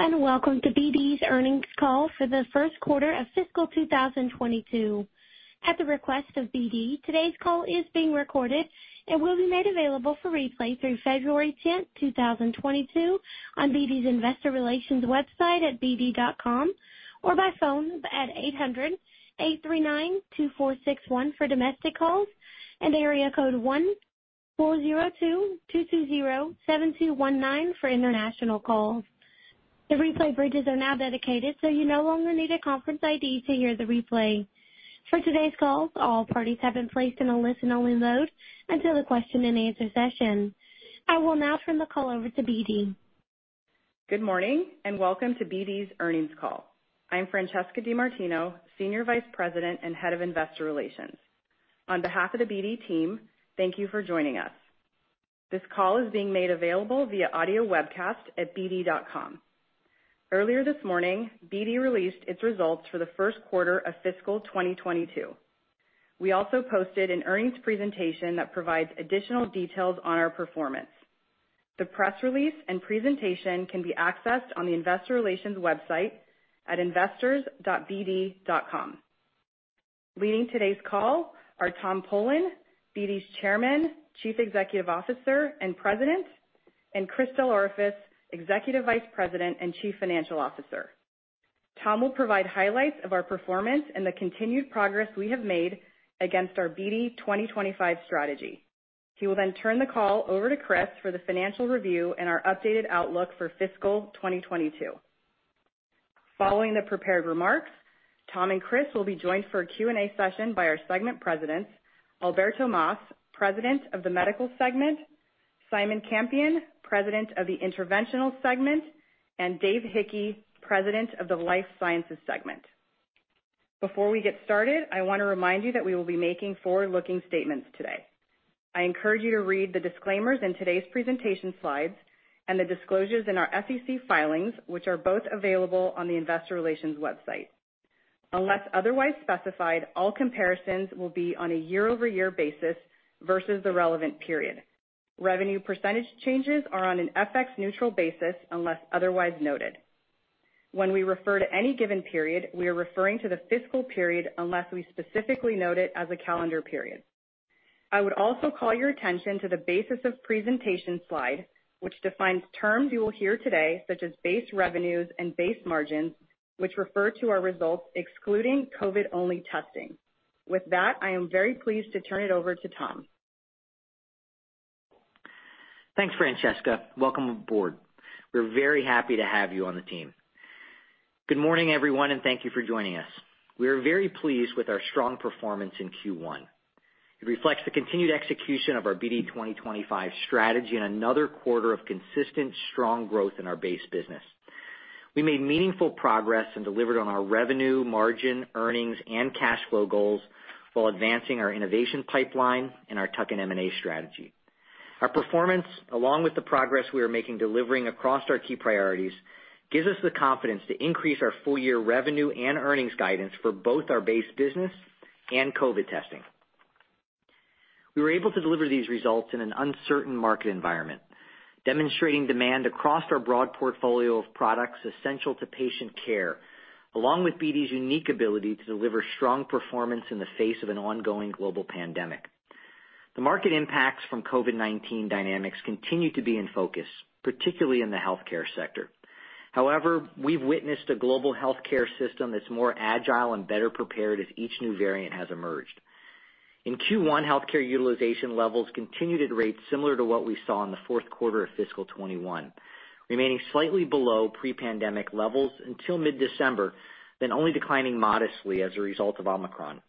Hello, and Welcome to BD's earnings call for the first quarter of fiscal 2022. At the request of BD, today's call is being recorded and will be made available for replay through February 10, 2022, on BD's investor relations website at bd.com or by phone at 800-839-2461 for domestic calls and area code 1-402-220-7219 for international calls. The replay bridges are now dedicated, so you no longer need a conference ID to hear the replay. For today's call, all parties have been placed in a listen-only mode until the question-and-answer session. I will now turn the call over to BD. Good morning, and Welcome to BD's earnings call. I'm Francesca DeMartino, Senior Vice President and Head of Investor Relations. On behalf of the BD team, thank you for joining us. This call is being made available via audio webcast at bd.com. Earlier this morning, BD released its results for the first quarter of fiscal 2022. We also posted an earnings presentation that provides additional details on our performance. The press release and presentation can be accessed on the investor relations website at investors.bd.com. Leading today's call are Tom Polen, BD's Chairman, Chief Executive Officer and President, and Christopher DelOrefice, Executive Vice President and Chief Financial Officer. Tom will provide highlights of our performance and the continued progress we have made against our BD 2025 strategy. He will then turn the call over to Chris for the financial review and our updated outlook for fiscal 2022. Following the prepared remarks, Tom and Chris will be joined for a Q&A session by our segment presidents, Alberto Mas, President of the Medical Segment, Simon Campion, President of the Interventional Segment, and Dave Hickey, President of the Life Sciences Segment. Before we get started, I wanna remind you that we will be making forward-looking statements today. I encourage you to read the disclaimers in today's presentation slides and the disclosures in our SEC filings, which are both available on the investor relations website. Unless otherwise specified, all comparisons will be on a year-over-year basis versus the relevant period. Revenue percentage changes are on an FX neutral basis, unless otherwise noted. When we refer to any given period, we are referring to the fiscal period unless we specifically note it as a calendar period. I would also call your attention to the basis of presentation slide, which defines terms you will hear today, such as base revenues and base margins, which refer to our results excluding COVID-only testing. With that, I am very pleased to turn it over to Tom. Thanks, Francesca. Welcome aboard. We're very happy to have you on the team. Good morning, everyone, and thank you for joining us. We are very pleased with our strong performance in Q1. It reflects the continued execution of our BD 2025 strategy and another quarter of consistent strong growth in our base business. We made meaningful progress and delivered on our revenue, margin, earnings, and cash flow goals while advancing our innovation pipeline and our tuck-in M&A strategy. Our performance, along with the progress we are making delivering across our key priorities, gives us the confidence to increase our full year revenue and earnings guidance for both our base business and COVID testing. We were able to deliver these results in an uncertain market environment, demonstrating demand across our broad portfolio of products essential to patient care, along with BD's unique ability to deliver strong performance in the face of an ongoing global pandemic. The market impacts from COVID-19 dynamics continue to be in focus, particularly in the healthcare sector. However, we've witnessed a global healthcare system that's more agile and better prepared as each new variant has emerged. In Q1, healthcare utilization levels continued at rates similar to what we saw in the fourth quarter of fiscal 2021, remaining slightly below pre-pandemic levels until mid-December, then only declining modestly as a result of Omicron.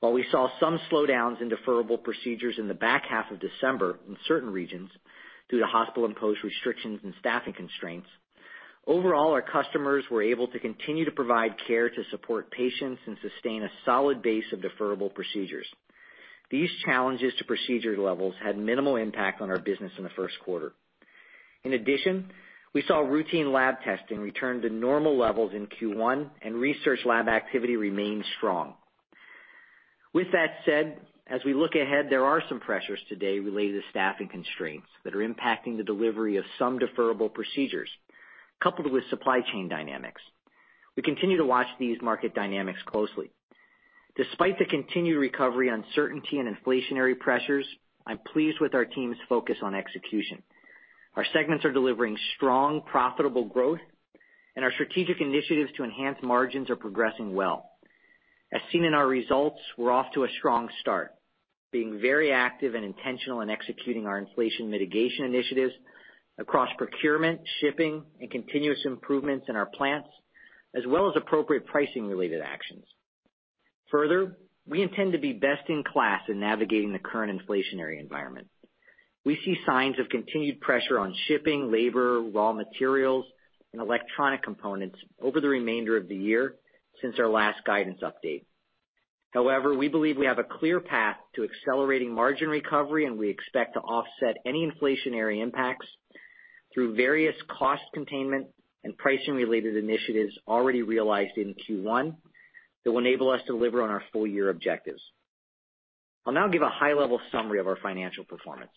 While we saw some slowdowns in deferrable procedures in the back half of December in certain regions due to hospital-imposed restrictions and staffing constraints, overall, our customers were able to continue to provide care to support patients and sustain a solid base of deferrable procedures. These challenges to procedure levels had minimal impact on our business in the first quarter. In addition, we saw routine lab testing return to normal levels in Q1, and research lab activity remained strong. With that said, as we look ahead, there are some pressures today related to staffing constraints that are impacting the delivery of some deferrable procedures, coupled with supply chain dynamics. We continue to watch these market dynamics closely. Despite the continued recovery uncertainty and inflationary pressures, I'm pleased with our team's focus on execution. Our segments are delivering strong, profitable growth, and our strategic initiatives to enhance margins are progressing well. As seen in our results, we're off to a strong start, being very active and intentional in executing our inflation mitigation initiatives across procurement, shipping, and continuous improvements in our plants, as well as appropriate pricing-related actions. Further, we intend to be best in class in navigating the current inflationary environment. We see signs of continued pressure on shipping, labor, raw materials, and electronic components over the remainder of the year since our last guidance update. However, we believe we have a clear path to accelerating margin recovery, and we expect to offset any inflationary impacts through various cost containment and pricing-related initiatives already realized in Q1 that will enable us to deliver on our full year objectives. I'll now give a high-level summary of our financial performance.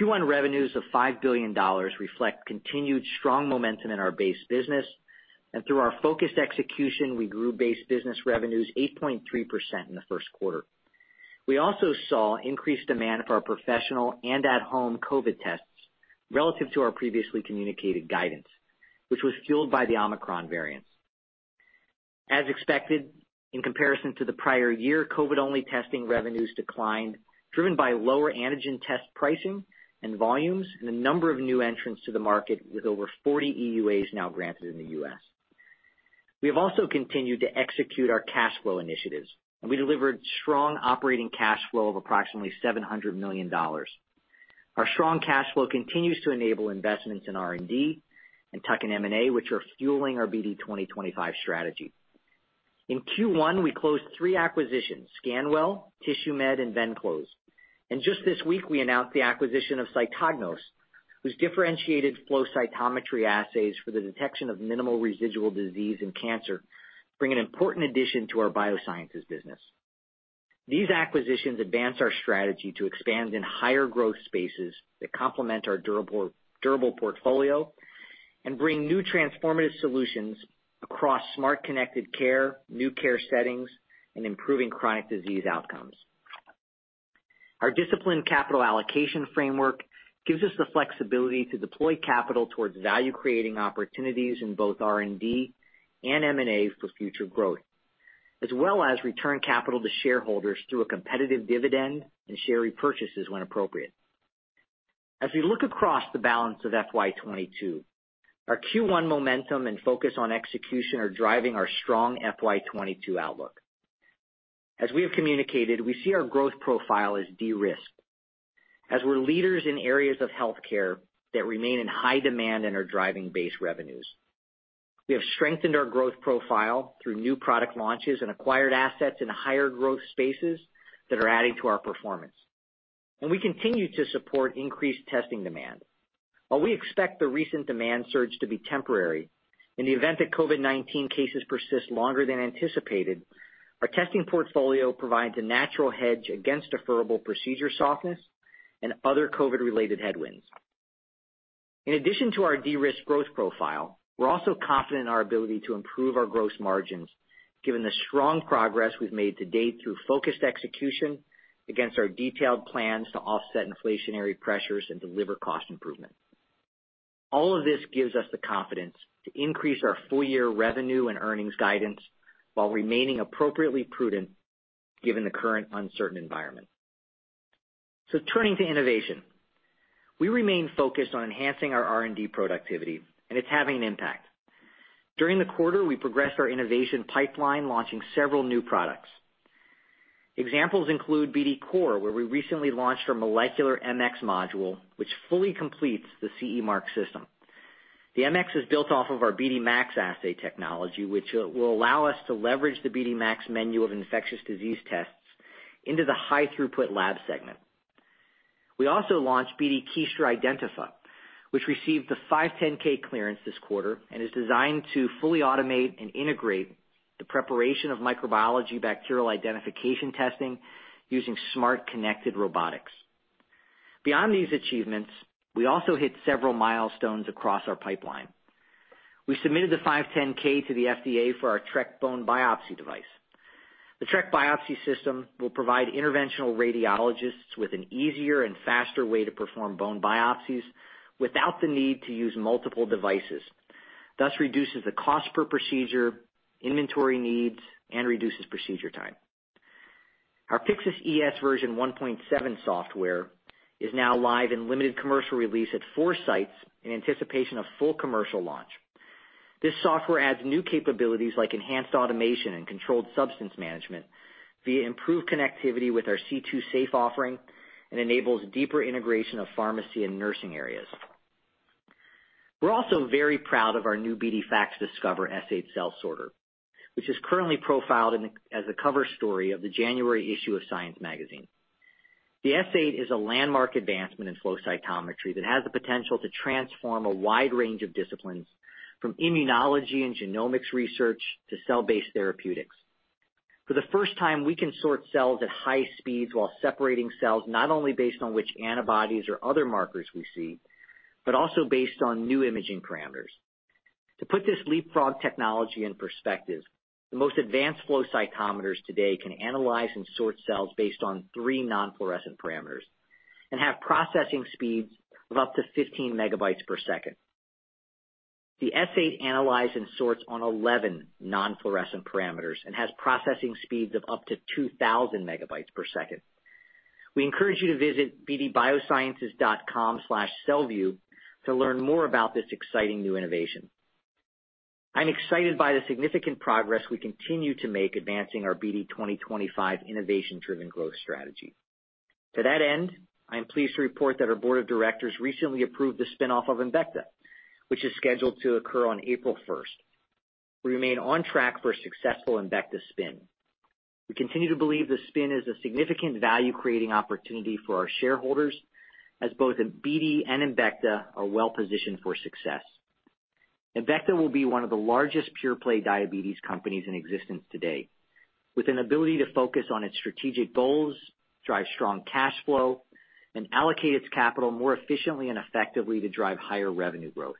Q1 revenues of $5 billion reflect continued strong momentum in our base business. Through our focused execution, we grew base business revenues 8.3% in the first quarter. We also saw increased demand for our professional and at-home COVID tests relative to our previously communicated guidance, which was fueled by the Omicron variant. As expected, in comparison to the prior year, COVID-only testing revenues declined, driven by lower antigen test pricing and volumes and the number of new entrants to the market, with over 40 EUAs now granted in the U.S. We have also continued to execute our cash flow initiatives, and we delivered strong operating cash flow of approximately $700 million. Our strong cash flow continues to enable investments in R&D and tuck-in M&A, which are fueling our BD 2025 strategy. In Q1, we closed three acquisitions, Scanwell, Tissuemed, and Venclose. Just this week, we announced the acquisition of Cytognos, whose differentiated flow cytometry assays for the detection of minimal residual disease in cancer bring an important addition to our biosciences business. These acquisitions advance our strategy to expand in higher growth spaces that complement our durable portfolio and bring new transformative solutions across smart connected care, new care settings, and improving chronic disease outcomes. Our disciplined capital allocation framework gives us the flexibility to deploy capital towards value-creating opportunities in both R&D and M&A for future growth, as well as return capital to shareholders through a competitive dividend and share repurchases when appropriate. As we look across the balance of FY 2022, our Q1 momentum and focus on execution are driving our strong FY 2022 outlook. As we have communicated, we see our growth profile as de-risked, as we're leaders in areas of healthcare that remain in high demand and are driving base revenues. We have strengthened our growth profile through new product launches and acquired assets in higher growth spaces that are adding to our performance. We continue to support increased testing demand. While we expect the recent demand surge to be temporary, in the event that COVID-19 cases persist longer than anticipated, our testing portfolio provides a natural hedge against deferrable procedure softness and other COVID-related headwinds. In addition to our de-risked growth profile, we're also confident in our ability to improve our gross margins, given the strong progress we've made to date through focused execution against our detailed plans to offset inflationary pressures and deliver cost improvement. All of this gives us the confidence to increase our full-year revenue and earnings guidance while remaining appropriately prudent given the current uncertain environment. Turning to innovation. We remain focused on enhancing our R&D productivity, and it's having an impact. During the quarter, we progressed our innovation pipeline, launching several new products. Examples include BD COR, where we recently launched our molecular MX module, which fully completes the CE Mark system. The MX is built off of our BD MAX assay technology, which will allow us to leverage the BD MAX menu of infectious disease tests into the high-throughput lab segment. We also launched BD Kiestra IdentifA, which received the 510(k) clearance this quarter and is designed to fully automate and integrate the preparation of microbiology bacterial identification testing using smart connected robotics. Beyond these achievements, we also hit several milestones across our pipeline. We submitted the 510(k) to the FDA for our Trek bone biopsy device. The Trek biopsy system will provide interventional radiologists with an easier and faster way to perform bone biopsies without the need to use multiple devices, thus reduces the cost per procedure, inventory needs, and reduces procedure time. Our Pyxis ES version 1.7 software is now live in limited commercial release at four sites in anticipation of full commercial launch. This software adds new capabilities like enhanced automation and controlled substance management via improved connectivity with our CII Safe offering and enables deeper integration of pharmacy and nursing areas. We're also very proud of our new BD FACSDiscover S8 cell sorter, which is currently profiled in as a cover story of the January issue of Science magazine. The S8 is a landmark advancement in flow cytometry that has the potential to transform a wide range of disciplines from immunology and genomics research to cell-based therapeutics. For the first time, we can sort cells at high speeds while separating cells, not only based on which antibodies or other markers we see but also based on new imaging parameters. To put this leapfrog technology in perspective, the most advanced flow cytometers today can analyze and sort cells based on 3 non-fluorescent parameters and have processing speeds of up to 15 MB/s. The S8 analyzes and sorts on 11 non-fluorescent parameters and has processing speeds of up to 2,000 MB/s. We encourage you to visit bdbiosciences.com/cellview to learn more about this exciting new innovation. I'm excited by the significant progress we continue to make advancing our BD 2025 innovation-driven growth strategy. To that end, I am pleased to report that our board of directors recently approved the spin-off of Embecta, which is scheduled to occur on April 1st, 2022. We remain on track for a successful Embecta spin. We continue to believe the spin is a significant value-creating opportunity for our shareholders, as both BD and Embecta are well positioned for success. Embecta will be one of the largest pure-play diabetes companies in existence today, with an ability to focus on its strategic goals, drive strong cash flow, and allocate its capital more efficiently and effectively to drive higher revenue growth.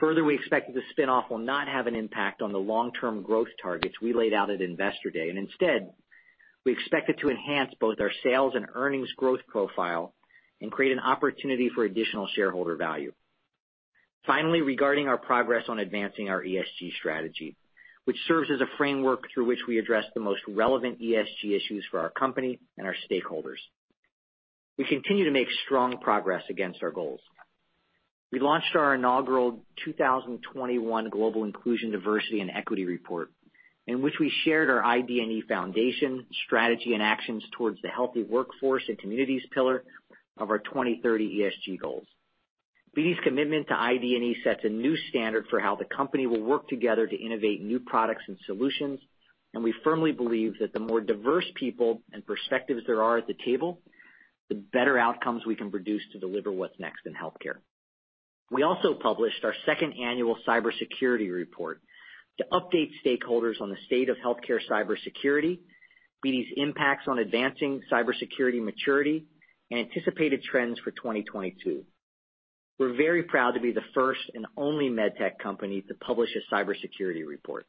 Further, we expect that the spin-off will not have an impact on the long-term growth targets we laid out at Investor Day. Instead, we expect it to enhance both our sales and earnings growth profile and create an opportunity for additional shareholder value. Finally, regarding our progress on advancing our ESG strategy, which serves as a framework through which we address the most relevant ESG issues for our company and our stakeholders. We continue to make strong progress against our goals. We launched our inaugural 2021 Global Inclusion, Diversity, and Equity Report, in which we shared our ID&E foundation, strategy, and actions towards the healthy workforce and communities pillar of our 2030 ESG goals. BD's commitment to ID&E sets a new standard for how the company will work together to innovate new products and solutions, and we firmly believe that the more diverse people and perspectives there are at the table, the better outcomes we can produce to deliver what's next in healthcare. We also published our second annual cybersecurity report to update stakeholders on the state of healthcare cybersecurity, BD's impacts on advancing cybersecurity maturity, and anticipated trends for 2022. We're very proud to be the first and only med tech company to publish a cybersecurity report.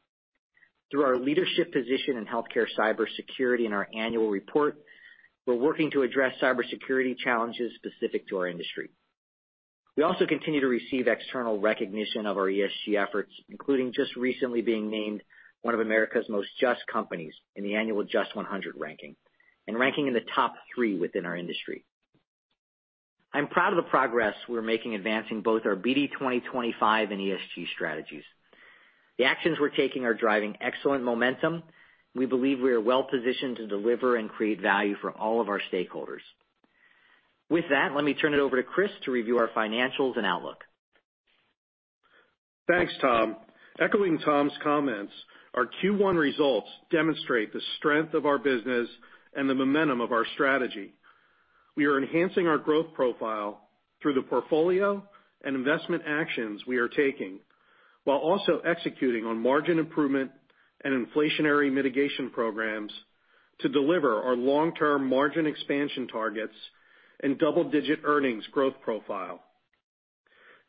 Through our leadership position in healthcare cybersecurity and our annual report, we're working to address cybersecurity challenges specific to our industry. We also continue to receive external recognition of our ESG efforts, including just recently being named one of America's most just companies in the annual JUST 100 ranking and ranking in the top three within our industry. I'm proud of the progress we're making advancing both our BD 2025 and ESG strategies. The actions we're taking are driving excellent momentum. We believe we are well-positioned to deliver and create value for all of our stakeholders. With that, let me turn it over to Chris to review our financials and outlook. Thanks, Tom. Echoing Tom's comments, our Q1 results demonstrate the strength of our business and the momentum of our strategy. We are enhancing our growth profile through the portfolio and investment actions we are taking, while also executing on margin improvement and inflationary mitigation programs to deliver our long-term margin expansion targets and double-digit earnings growth profile.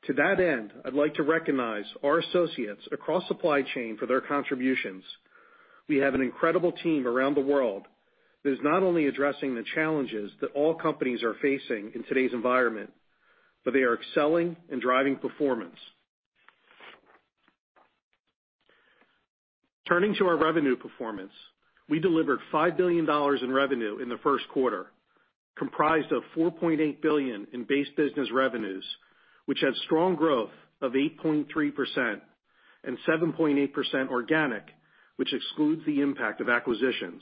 To that end, I'd like to recognize our associates across supply chain for their contributions. We have an incredible team around the world that is not only addressing the challenges that all companies are facing in today's environment, but they are excelling and driving performance. Turning to our revenue performance, we delivered $5 billion in revenue in the first quarter, comprised of $4.8 billion in base business revenues, which had strong growth of 8.3% and 7.8% organic, which excludes the impact of acquisitions.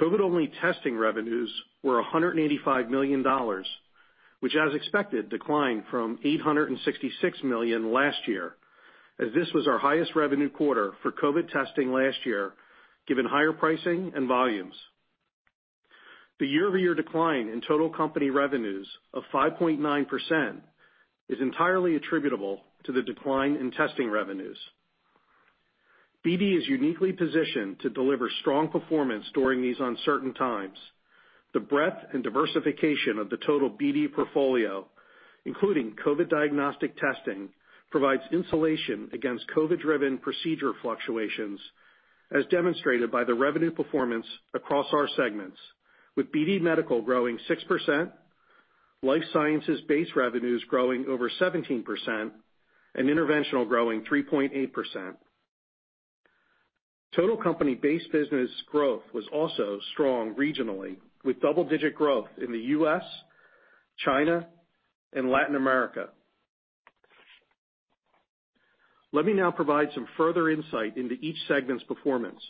COVID-only testing revenues were $185 million, which, as expected, declined from $866 million last year, as this was our highest revenue quarter for COVID testing last year, given higher pricing and volumes. The year-over-year decline in total company revenues of 5.9% is entirely attributable to the decline in testing revenues. BD is uniquely positioned to deliver strong performance during these uncertain times. The breadth and diversification of the total BD portfolio, including COVID diagnostic testing, provides insulation against COVID-driven procedure fluctuations, as demonstrated by the revenue performance across our segments, with BD Medical growing 6%, Life Sciences base revenues growing over 17%, and Interventional growing 3.8%. Total company base business growth was also strong regionally, with double-digit growth in the U.S., China, and Latin America. Let me now provide some further insight into each segment's performance.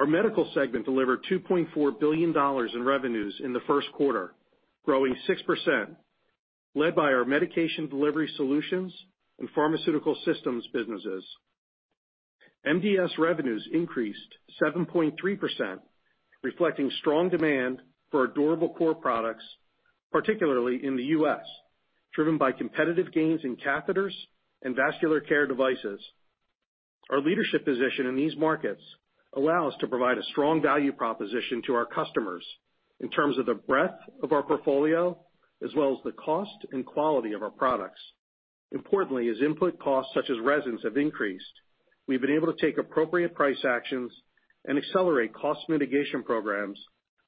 Our Medical segment delivered $2.4 billion in revenues in the first quarter, growing 6%, led by our Medication Delivery Solutions and Pharmaceutical Systems businesses. MDS revenues increased 7.3%, reflecting strong demand for our durable core products, particularly in the U.S., driven by competitive gains in catheters and vascular care devices. Our leadership position in these markets allow us to provide a strong value proposition to our customers in terms of the breadth of our portfolio as well as the cost and quality of our products. Importantly, as input costs such as resins have increased, we've been able to take appropriate price actions and accelerate cost mitigation programs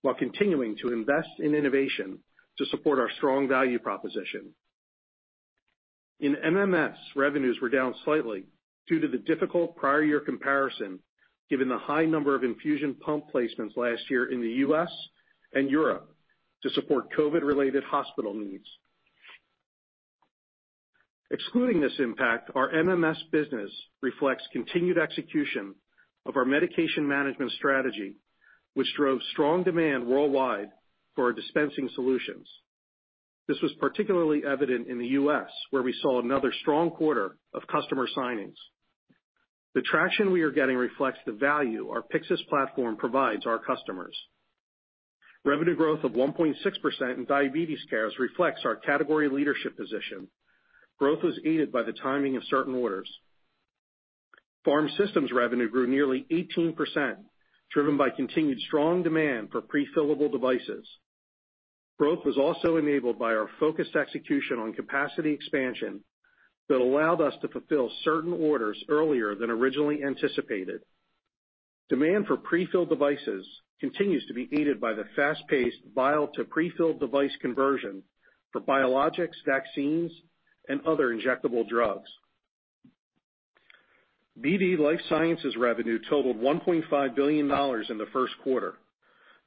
while continuing to invest in innovation to support our strong value proposition. In MMS, revenues were down slightly due to the difficult prior year comparison given the high number of infusion pump placements last year in the U.S. and Europe to support COVID-related hospital needs. Excluding this impact, our MMS business reflects continued execution of our medication management strategy, which drove strong demand worldwide for our dispensing solutions. This was particularly evident in the U.S., where we saw another strong quarter of customer signings. The traction we are getting reflects the value our Pyxis platform provides our customers. Revenue growth of 1.6% in Diabetes Care reflects our category leadership position. Growth was aided by the timing of certain orders. Pharmaceutical Systems revenue grew nearly 18%, driven by continued strong demand for pre-fillable devices. Growth was also enabled by our focused execution on capacity expansion that allowed us to fulfill certain orders earlier than originally anticipated. Demand for pre-filled devices continues to be aided by the fast-paced vial to pre-filled device conversion for biologics, vaccines, and other injectable drugs. BD Life Sciences revenue totaled $1.5 billion in the first quarter.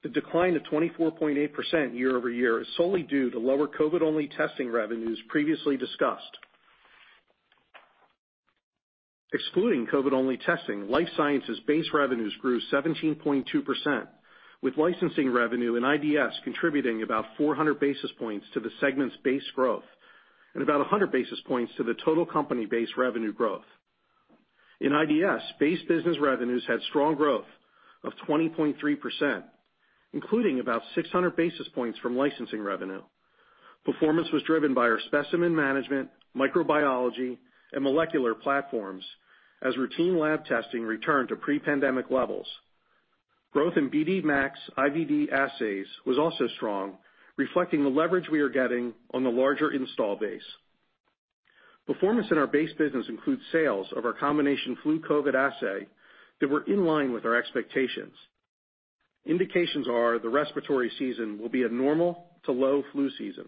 The decline of 24.8% year-over-year is solely due to lower COVID-only testing revenues previously discussed. Excluding COVID-only testing, Life Sciences base revenues grew 17.2%, with licensing revenue and IDS contributing about 400 basis points to the segment's base growth and about 100 basis points to the total company base revenue growth. In IDS, base business revenues had strong growth of 20.3%, including about 600 basis points from licensing revenue. Performance was driven by our specimen management, microbiology, and molecular platforms as routine lab testing returned to pre-pandemic levels. Growth in BD MAX IVD assays was also strong, reflecting the leverage we are getting on the larger install base. Performance in our base business includes sales of our combination flu COVID assay that were in line with our expectations. Indications are the respiratory season will be a normal to low flu season.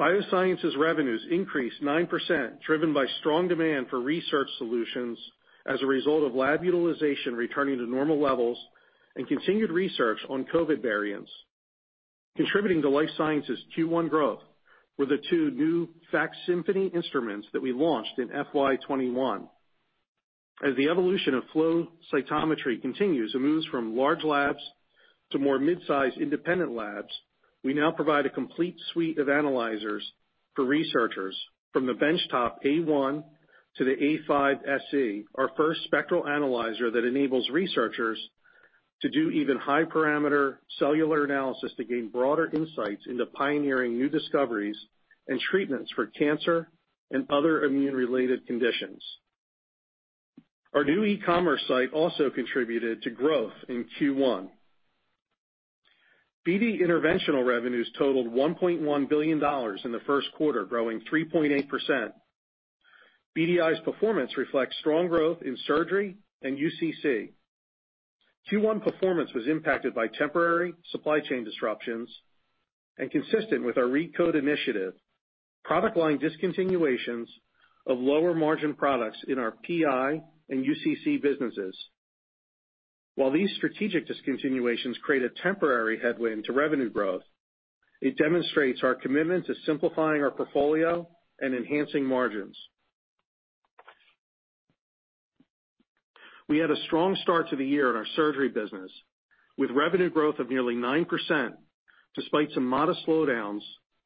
Biosciences revenues increased 9%, driven by strong demand for research solutions as a result of lab utilization returning to normal levels and continued research on COVID variants. Contributing to Life Sciences Q1 growth were the two new FACSymphony instruments that we launched in FY 2021. As the evolution of flow cytometry continues, it moves from large labs to more mid-sized independent labs. We now provide a complete suite of analyzers for researchers from the benchtop A1 to the A5 SE, our first spectral analyzer that enables researchers to do even high parameter cellular analysis to gain broader insights into pioneering new discoveries and treatments for cancer and other immune-related conditions. Our new e-commerce site also contributed to growth in Q1. BD Interventional revenues totaled $1.1 billion in the first quarter, growing 3.8%. BDI's performance reflects strong growth in surgery and UCC. Q1 performance was impacted by temporary supply chain disruptions and consistent with our RECODE initiative, product line discontinuations of lower margin products in our PI and UCC businesses. While these strategic discontinuations create a temporary headwind to revenue growth, it demonstrates our commitment to simplifying our portfolio and enhancing margins. We had a strong start to the year in our surgery business, with revenue growth of nearly 9% despite some modest slowdowns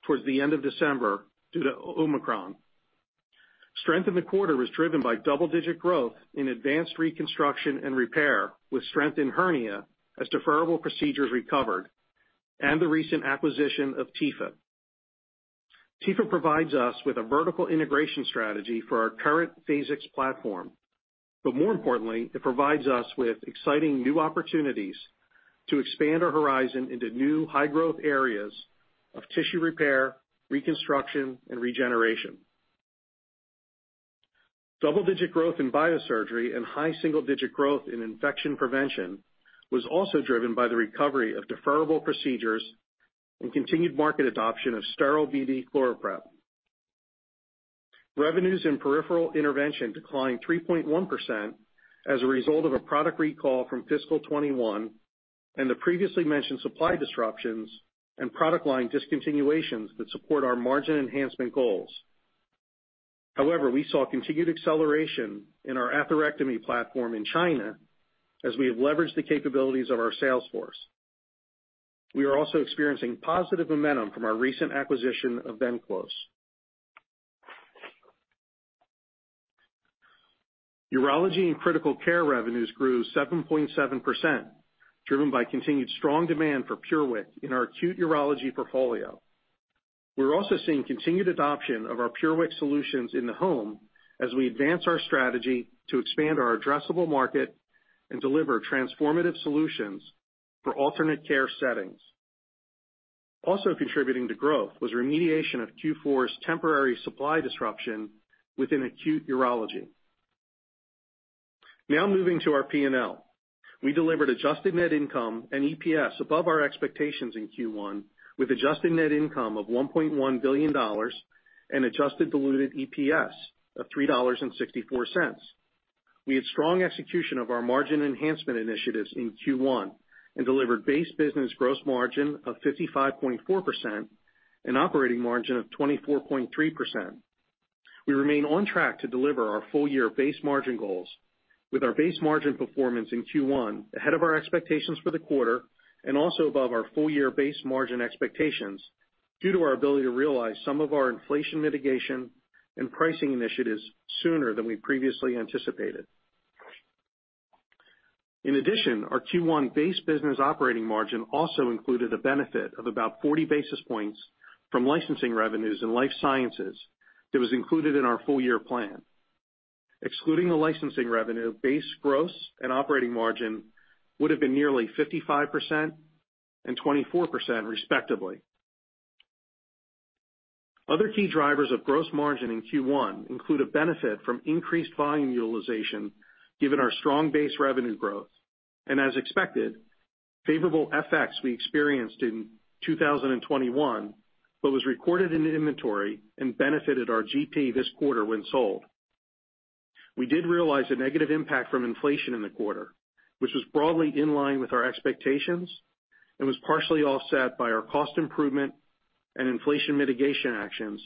towards the end of December due to Omicron. Strength in the quarter was driven by double-digit growth in advanced reconstruction and repair, with strength in hernia as deferrable procedures recovered and the recent acquisition of Tissuemed. Tissuemed provides us with a vertical integration strategy for our current Phasix platform. More importantly, it provides us with exciting new opportunities to expand our horizon into new high-growth areas of tissue repair, reconstruction, and regeneration. Double-digit growth in biosurgery and high single-digit growth in infection prevention was also driven by the recovery of deferrable procedures and continued market adoption of sterile BD ChloraPrep. Revenues in peripheral intervention declined 3.1% as a result of a product recall from fiscal 2021 and the previously mentioned supply disruptions and product line discontinuations that support our margin enhancement goals. However, we saw continued acceleration in our atherectomy platform in China as we have leveraged the capabilities of our sales force. We are also experiencing positive momentum from our recent acquisition of Venclose. Urology and critical care revenues grew 7.7%, driven by continued strong demand for PureWick in our acute urology portfolio. We're also seeing continued adoption of our PureWick solutions in the home as we advance our strategy to expand our addressable market and deliver transformative solutions for alternate care settings. Also contributing to growth was remediation of Q4's temporary supply disruption within acute urology. Now moving to our P&L. We delivered adjusted net income and EPS above our expectations in Q1, with adjusted net income of $1.1 billion and adjusted diluted EPS of $3.64. We had strong execution of our margin enhancement initiatives in Q1 and delivered base business gross margin of 55.4% and operating margin of 24.3%. We remain on track to deliver our full-year base margin goals with our base margin performance in Q1 ahead of our expectations for the quarter and also above our full-year base margin expectations due to our ability to realize some of our inflation mitigation and pricing initiatives sooner than we previously anticipated. In addition, our Q1 base business operating margin also included a benefit of about 40 basis points from licensing revenues in Life Sciences that was included in our full-year plan. Excluding the licensing revenue, base gross and operating margin would have been nearly 55% and 24% respectively. Other key drivers of gross margin in Q1 include a benefit from increased volume utilization given our strong base revenue growth. As expected, favorable FX we experienced in 2021, but was recorded in inventory and benefited our GP this quarter when sold. We did realize a negative impact from inflation in the quarter, which was broadly in line with our expectations and was partially offset by our cost improvement and inflation mitigation actions,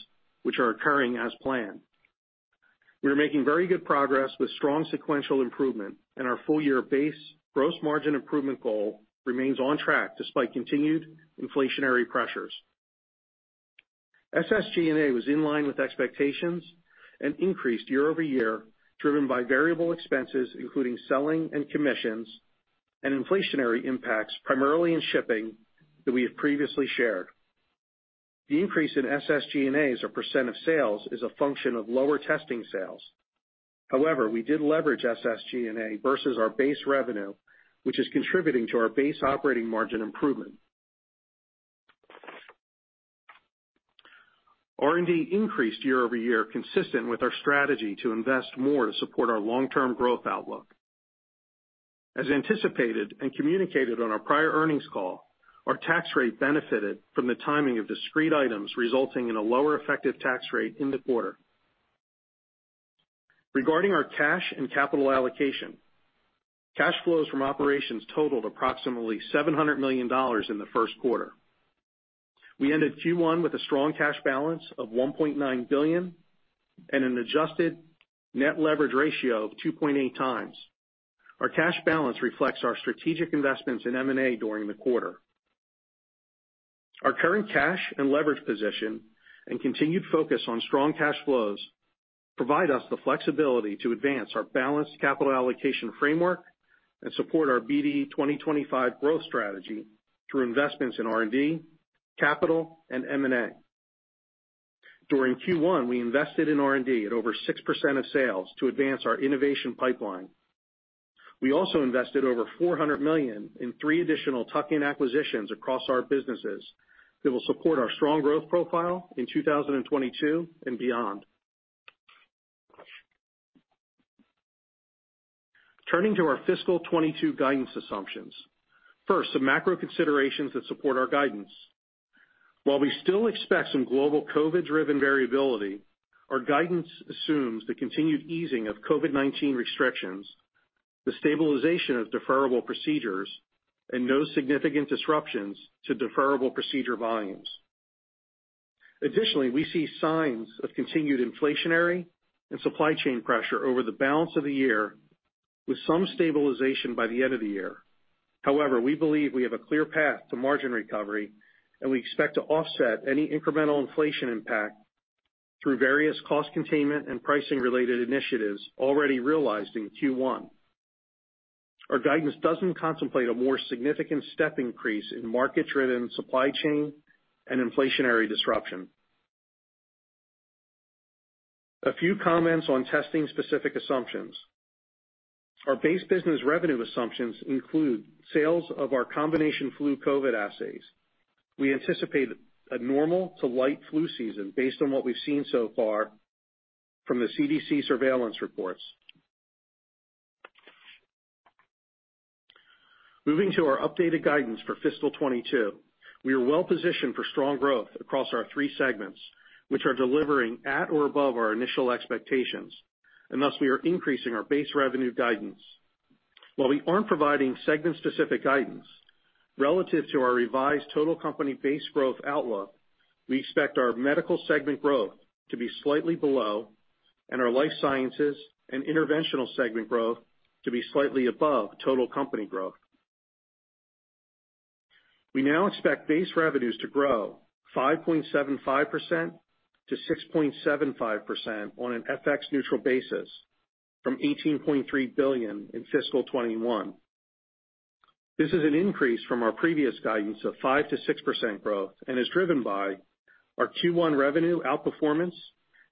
which are occurring as planned. We are making very good progress with strong sequential improvement, and our full year base gross margin improvement goal remains on track despite continued inflationary pressures. SG&A was in line with expectations and increased year-over-year, driven by variable expenses, including selling and commissions and inflationary impacts primarily in shipping that we have previously shared. The increase in SG&A as a percent of sales is a function of lower testing sales. However, we did leverage SG&A versus our base revenue, which is contributing to our base operating margin improvement. R&D increased year-over-year, consistent with our strategy to invest more to support our long-term growth outlook. As anticipated and communicated on our prior earnings call, our tax rate benefited from the timing of discrete items, resulting in a lower effective tax rate in the quarter. Regarding our cash and capital allocation, cash flows from operations totaled approximately $700 million in the first quarter. We ended Q1 with a strong cash balance of $1.9 billion and an adjusted net leverage ratio of 2.8x. Our cash balance reflects our strategic investments in M&A during the quarter. Our current cash and leverage position and continued focus on strong cash flows provide us the flexibility to advance our balanced capital allocation framework and support our BD 2025 growth strategy through investments in R&D, capital, and M&A. During Q1, we invested in R&D at over 6% of sales to advance our innovation pipeline. We also invested over $400 million in three additional tuck-in acquisitions across our businesses that will support our strong growth profile in 2022 and beyond. Turning to our fiscal 2022 guidance assumptions. First, some macro considerations that support our guidance. While we still expect some global COVID-driven variability, our guidance assumes the continued easing of COVID-19 restrictions, the stabilization of deferrable procedures, and no significant disruptions to deferrable procedure volumes. Additionally, we see signs of continued inflationary and supply chain pressure over the balance of the year with some stabilization by the end of the year. However, we believe we have a clear path to margin recovery, and we expect to offset any incremental inflation impact through various cost containment and pricing-related initiatives already realized in Q1. Our guidance doesn't contemplate a more significant step increase in market-driven supply chain and inflationary disruption. A few comments on testing specific assumptions. Our base business revenue assumptions include sales of our combination flu COVID assays. We anticipate a normal to light flu season based on what we've seen so far from the CDC surveillance reports. Moving to our updated guidance for fiscal 2022. We are well positioned for strong growth across our three segments, which are delivering at or above our initial expectations, and thus we are increasing our base revenue guidance. While we aren't providing segment-specific guidance, relative to our revised total company base growth outlook, we expect our Medical Segment growth to be slightly below and our Life Sciences and Interventional Segment growth to be slightly above total company growth. We now expect base revenues to grow 5.75%-6.75% on an FX neutral basis from $18.3 billion in fiscal 2021. This is an increase from our previous guidance of 5%-6% growth and is driven by our Q1 revenue outperformance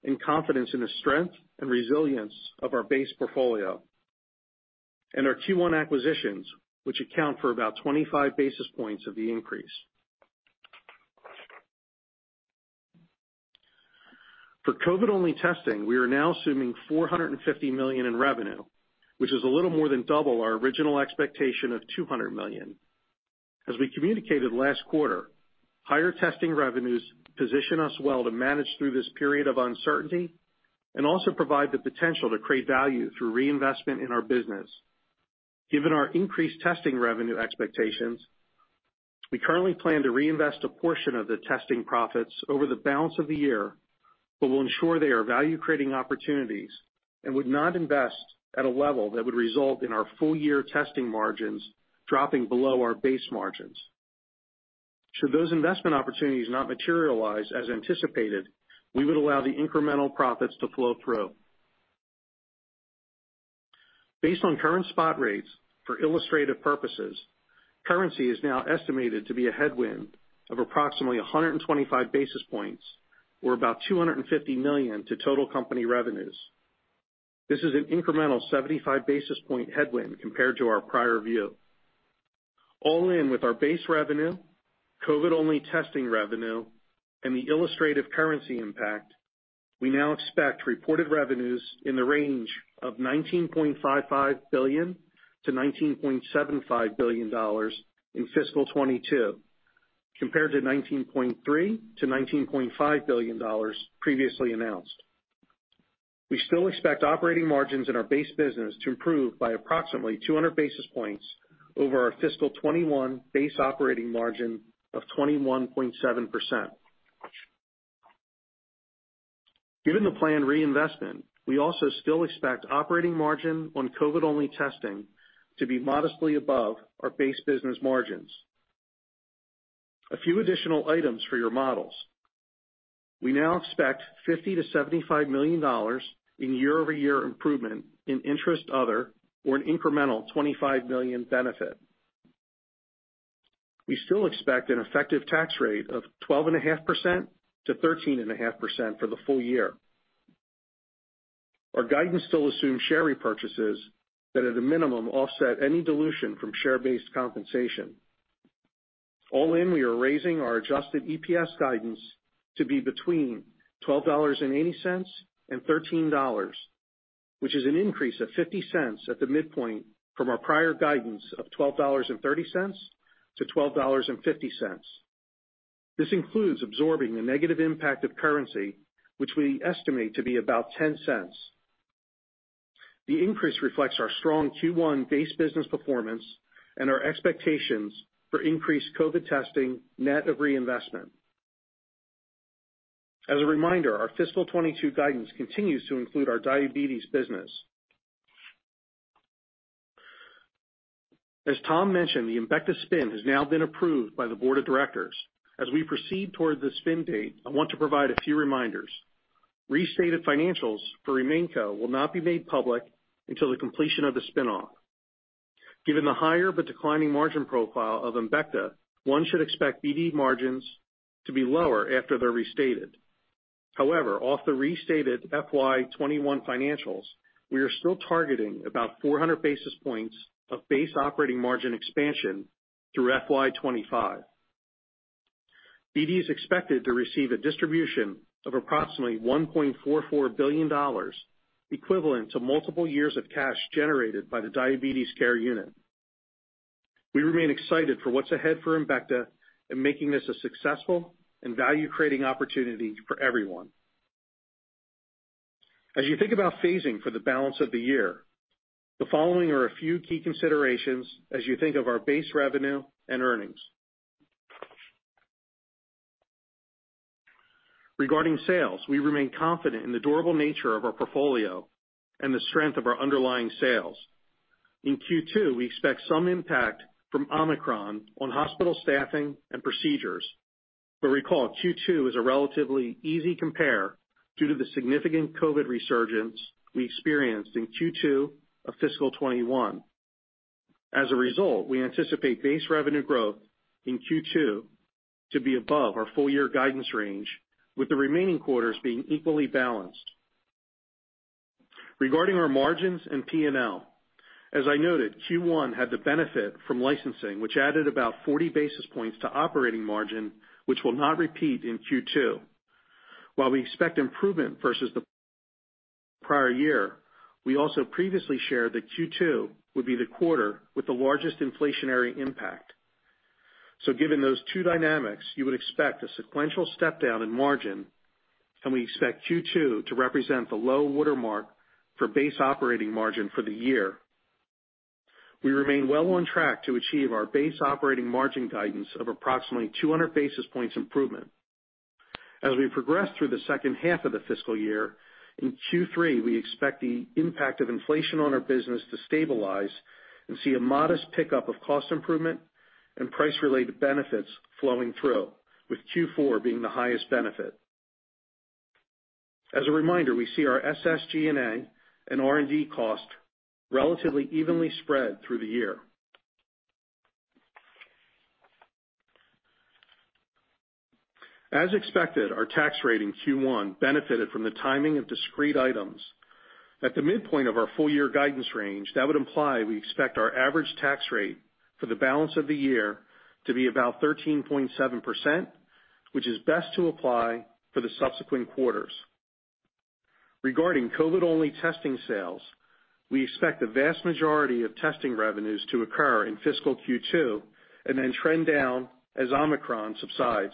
and confidence in the strength and resilience of our base portfolio. Our Q1 acquisitions, which account for about 25 basis points of the increase. For COVID-only testing, we are now assuming $450 million in revenue, which is a little more than double our original expectation of $200 million. As we communicated last quarter, higher testing revenues position us well to manage through this period of uncertainty and also provide the potential to create value through reinvestment in our business. Given our increased testing revenue expectations, we currently plan to reinvest a portion of the testing profits over the balance of the year. We'll ensure they are value-creating opportunities and would not invest at a level that would result in our full year testing margins dropping below our base margins. Should those investment opportunities not materialize as anticipated, we would allow the incremental profits to flow through. Based on current spot rates for illustrative purposes, currency is now estimated to be a headwind of approximately 125 basis points or about $250 million to total company revenues. This is an incremental 75 basis point headwind compared to our prior view. All in with our base revenue, COVID-19 only testing revenue, and the illustrative currency impact, we now expect reported revenues in the range of $19.55 billion-$19.75 billion in fiscal 2022, compared to $19.3 billion-$19.5 billion previously announced. We still expect operating margins in our base business to improve by approximately 200 basis points over our fiscal 2021 base operating margin of 21.7%. Given the planned reinvestment, we also still expect operating margin on COVID-19-only testing to be modestly above our base business margins. A few additional items for your models. We now expect $50 million-$75 million in year-over-year improvement in interest other or an incremental $25 million benefit. We still expect an effective tax rate of 12.5%-13.5% for the full year. Our guidance still assumes share repurchases that at a minimum offset any dilution from share-based compensation. All in, we are raising our adjusted EPS guidance to be between $12.80 and $13, which is an increase of $0.50 at the midpoint from our prior guidance of $12.30-$12.50. This includes absorbing the negative impact of currency, which we estimate to be about $0.10. The increase reflects our strong Q1 base business performance and our expectations for increased COVID testing net of reinvestment. As a reminder, our FY 2022 guidance continues to include our diabetes business. As Tom mentioned, the Embecta spin has now been approved by the board of directors. As we proceed toward the spin date, I want to provide a few reminders. Restated financials for RemainCo will not be made public until the completion of the spin-off. Given the higher but declining margin profile of Embecta, one should expect BD margins to be lower after they're restated. However, off the restated FY 2021 financials, we are still targeting about 400 basis points of base operating margin expansion through FY 2025. BD is expected to receive a distribution of approximately $1.44 billion, equivalent to multiple years of cash generated by the diabetes care unit. We remain excited for what's ahead for Embecta and making this a successful and value-creating opportunity for everyone. As you think about phasing for the balance of the year, the following are a few key considerations as you think of our base revenue and earnings. Regarding sales, we remain confident in the durable nature of our portfolio and the strength of our underlying sales. In Q2, we expect some impact from Omicron on hospital staffing and procedures. Recall, Q2 is a relatively easy compare due to the significant COVID-19 resurgence we experienced in Q2 of fiscal 2021. As a result, we anticipate base revenue growth in Q2 to be above our full year guidance range, with the remaining quarters being equally balanced. Regarding our margins and P&L, as I noted, Q1 had the benefit from licensing, which added about 40 basis points to operating margin, which will not repeat in Q2. While we expect improvement versus the prior year, we also previously shared that Q2 would be the quarter with the largest inflationary impact. Given those two dynamics, you would expect a sequential step down in margin, and we expect Q2 to represent the low water mark for base operating margin for the year. We remain well on track to achieve our base operating margin guidance of approximately 200 basis points improvement. As we progress through the second half of the fiscal year, in Q3, we expect the impact of inflation on our business to stabilize and see a modest pickup of cost improvement and price-related benefits flowing through, with Q4 being the highest benefit. As a reminder, we see our SG&A and R&D cost relatively evenly spread through the year. As expected, our tax rate in Q1 benefited from the timing of discrete items. At the midpoint of our full year guidance range, that would imply we expect our average tax rate for the balance of the year to be about 13.7%, which is best to apply for the subsequent quarters. Regarding COVID-only testing sales, we expect the vast majority of testing revenues to occur in fiscal Q2 and then trend down as Omicron subsides.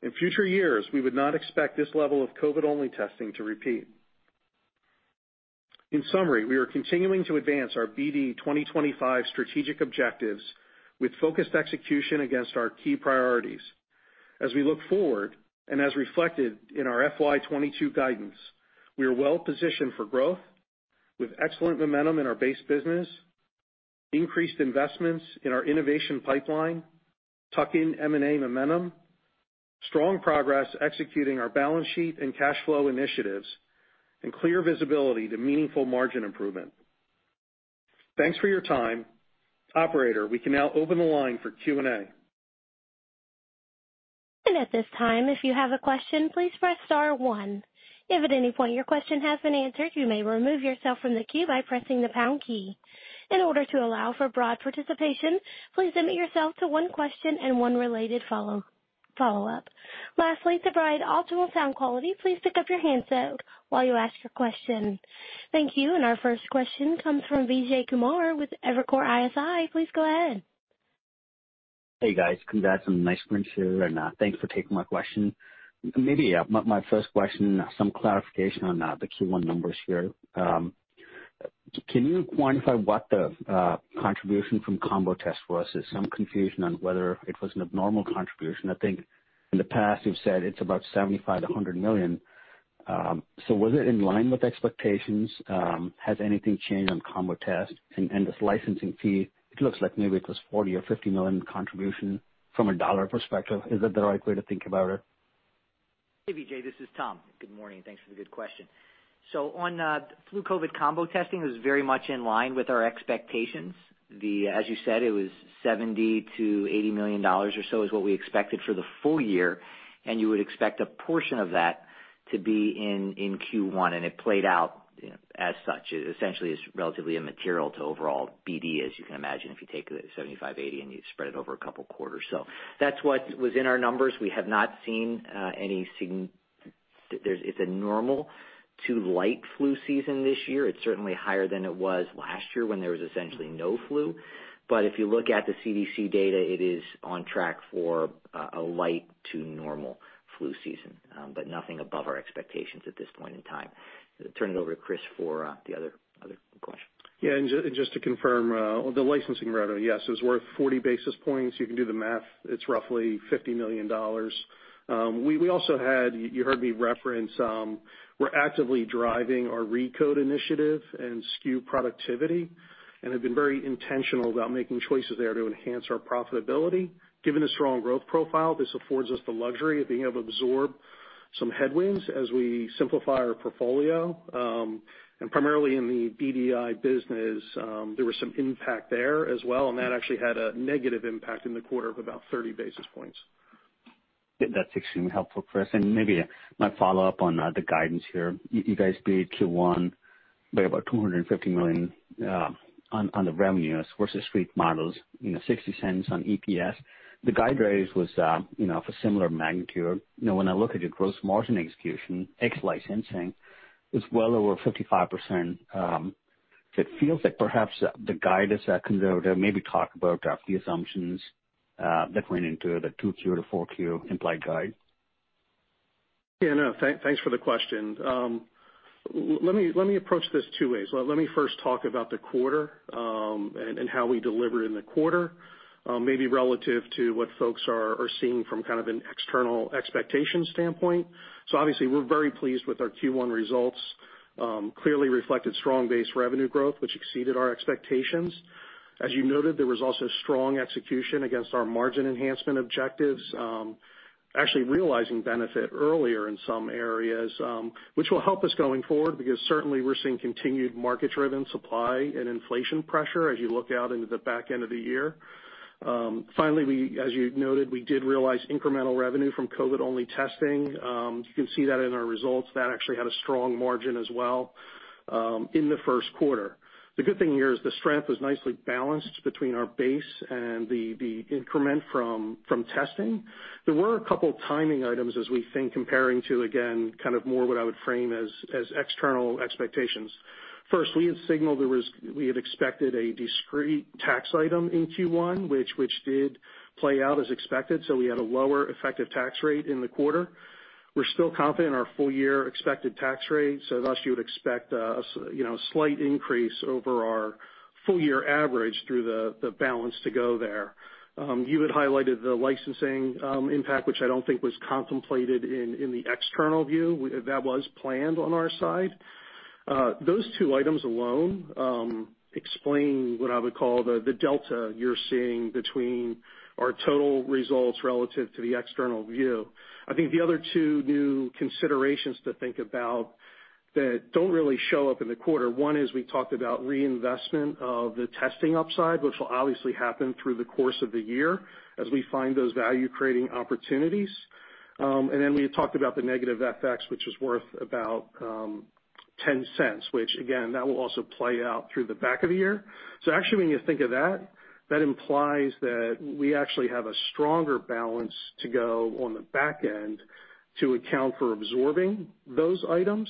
In future years, we would not expect this level of COVID-only testing to repeat. In summary, we are continuing to advance our BD 2025 strategic objectives with focused execution against our key priorities. As we look forward and as reflected in our FY 2022 guidance, we are well positioned for growth with excellent momentum in our base business, increased investments in our innovation pipeline, tuck-in M&A momentum, strong progress executing our balance sheet and cash flow initiatives, and clear visibility to meaningful margin improvement. Thanks for your time. Operator, we can now open the line for Q&A. At this time, if you have a question, please press star one. If at any point your question has been answered, you may remove yourself from the queue by pressing the pound key. In order to allow for broad participation, please limit yourself to one question and one related follow-up. Lastly, to provide optimal sound quality, please pick up your handset while you ask your question. Thank you. Our first question comes from Vijay Kumar with Evercore ISI. Please go ahead. Hey, guys. Congrats on a nice quarter and thanks for taking my question. Maybe my first question, some clarification on the Q1 numbers here. Can you quantify what the contribution from combo test was? There's some confusion on whether it was an abnormal contribution. I think in the past you've said it's about $75 million-$100 million. So was it in line with expectations? Has anything changed on combo test and this licensing fee? It looks like maybe it was $40 million or $50 million contribution from a dollar perspective. Is that the right way to think about it? Hey, Vijay. This is Tom. Good morning. Thanks for the good question. On flu COVID combo testing, it was very much in line with our expectations. As you said, it was $70 million-$80 million or so is what we expected for the full year, and you would expect a portion of that to be in Q1, and it played out, you know, as such. Essentially, it's relatively immaterial to overall BD, as you can imagine, if you take the 75, 80 and you spread it over a couple quarters. That's what was in our numbers. It's a normal to light flu season this year. It's certainly higher than it was last year when there was essentially no flu. If you look at the CDC data, it is on track for a light to normal flu season, but nothing above our expectations at this point in time. Turn it over to Chris for the other question. Just to confirm, the licensing revenue, yes, it was worth 40 basis points. You can do the math. It's roughly $50 million. You heard me reference, we're actively driving our RECODE initiative and SKU productivity and have been very intentional about making choices there to enhance our profitability. Given the strong growth profile, this affords us the luxury of being able to absorb some headwinds as we simplify our portfolio, and primarily in the BDI business, there was some impact there as well, and that actually had a negative impact in the quarter of about 30 basis points. That's extremely helpful, Chris. Maybe my follow-up on the guidance here. You guys beat Q1 by about $250 million on the revenues versus street models, you know, $0.60 on EPS. The guide variance was, you know, of a similar magnitude. You know, when I look at your gross margin execution, ex licensing, it's well over 55%. So, it feels like perhaps the guidance conservative, maybe talk about the assumptions that went into the 2Q to 4Q implied guide. Yeah, no. Thanks for the question. Let me approach these two ways. Let me first talk about the quarter, and how we delivered in the quarter, maybe relative to what folks are seeing from kind of an external expectation standpoint. Obviously, we're very pleased with our Q1 results, clearly reflected strong base revenue growth, which exceeded our expectations. As you noted, there was also strong execution against our margin enhancement objectives, actually realizing benefit earlier in some areas, which will help us going forward because certainly we're seeing continued market-driven supply and inflation pressure as you look out into the back end of the year. Finally, as you noted, we did realize incremental revenue from COVID-only testing. You can see that in our results. That actually had a strong margin as well in the first quarter. The good thing here is the strength was nicely balanced between our base and the increment from testing. There were a couple timing items as we think comparing to, again, kind of more what I would frame as external expectations. First, we had signaled we had expected a discrete tax item in Q1, which did play out as expected, so we had a lower effective tax rate in the quarter. We're still confident in our full year expected tax rate, so thus you would expect, you know, a slight increase over our full year average through the balance to go there. You had highlighted the licensing impact, which I don't think was contemplated in the external view. That was planned on our side. Those two items alone explain what I would call the delta you're seeing between our total results relative to the external view. I think the other two new considerations to think about that don't really show up in the quarter. One is we talked about reinvestment of the testing upside, which will obviously happen through the course of the year as we find those value creating opportunities. Then we had talked about the negative FX, which is worth about $0.10, which again, that will also play out through the back of the year. Actually, when you think of that implies that we actually have a stronger balance to go on the back end to account for absorbing those items.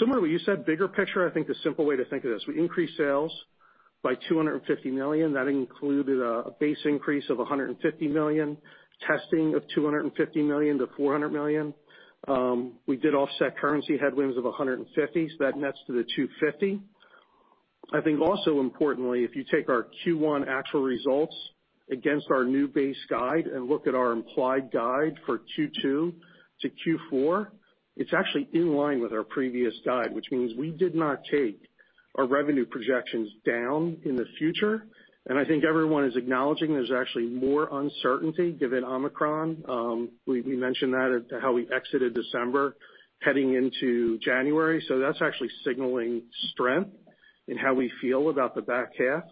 Similarly, you said bigger picture, I think the simple way to think of this, we increase sales by $250 million. That included a base increase of $150 million, testing of $250 million-$400 million. We did offset currency headwinds of $150. That nets to the $250. I think also importantly, if you take our Q1 actual results against our new base guide and look at our implied guide for Q2 to Q4, it's actually in line with our previous guide, which means we did not take our revenue projections down in the future. I think everyone is acknowledging there's actually more uncertainty given Omicron. We mentioned that, how we exited December heading into January. That's actually signaling strength in how we feel about the back half.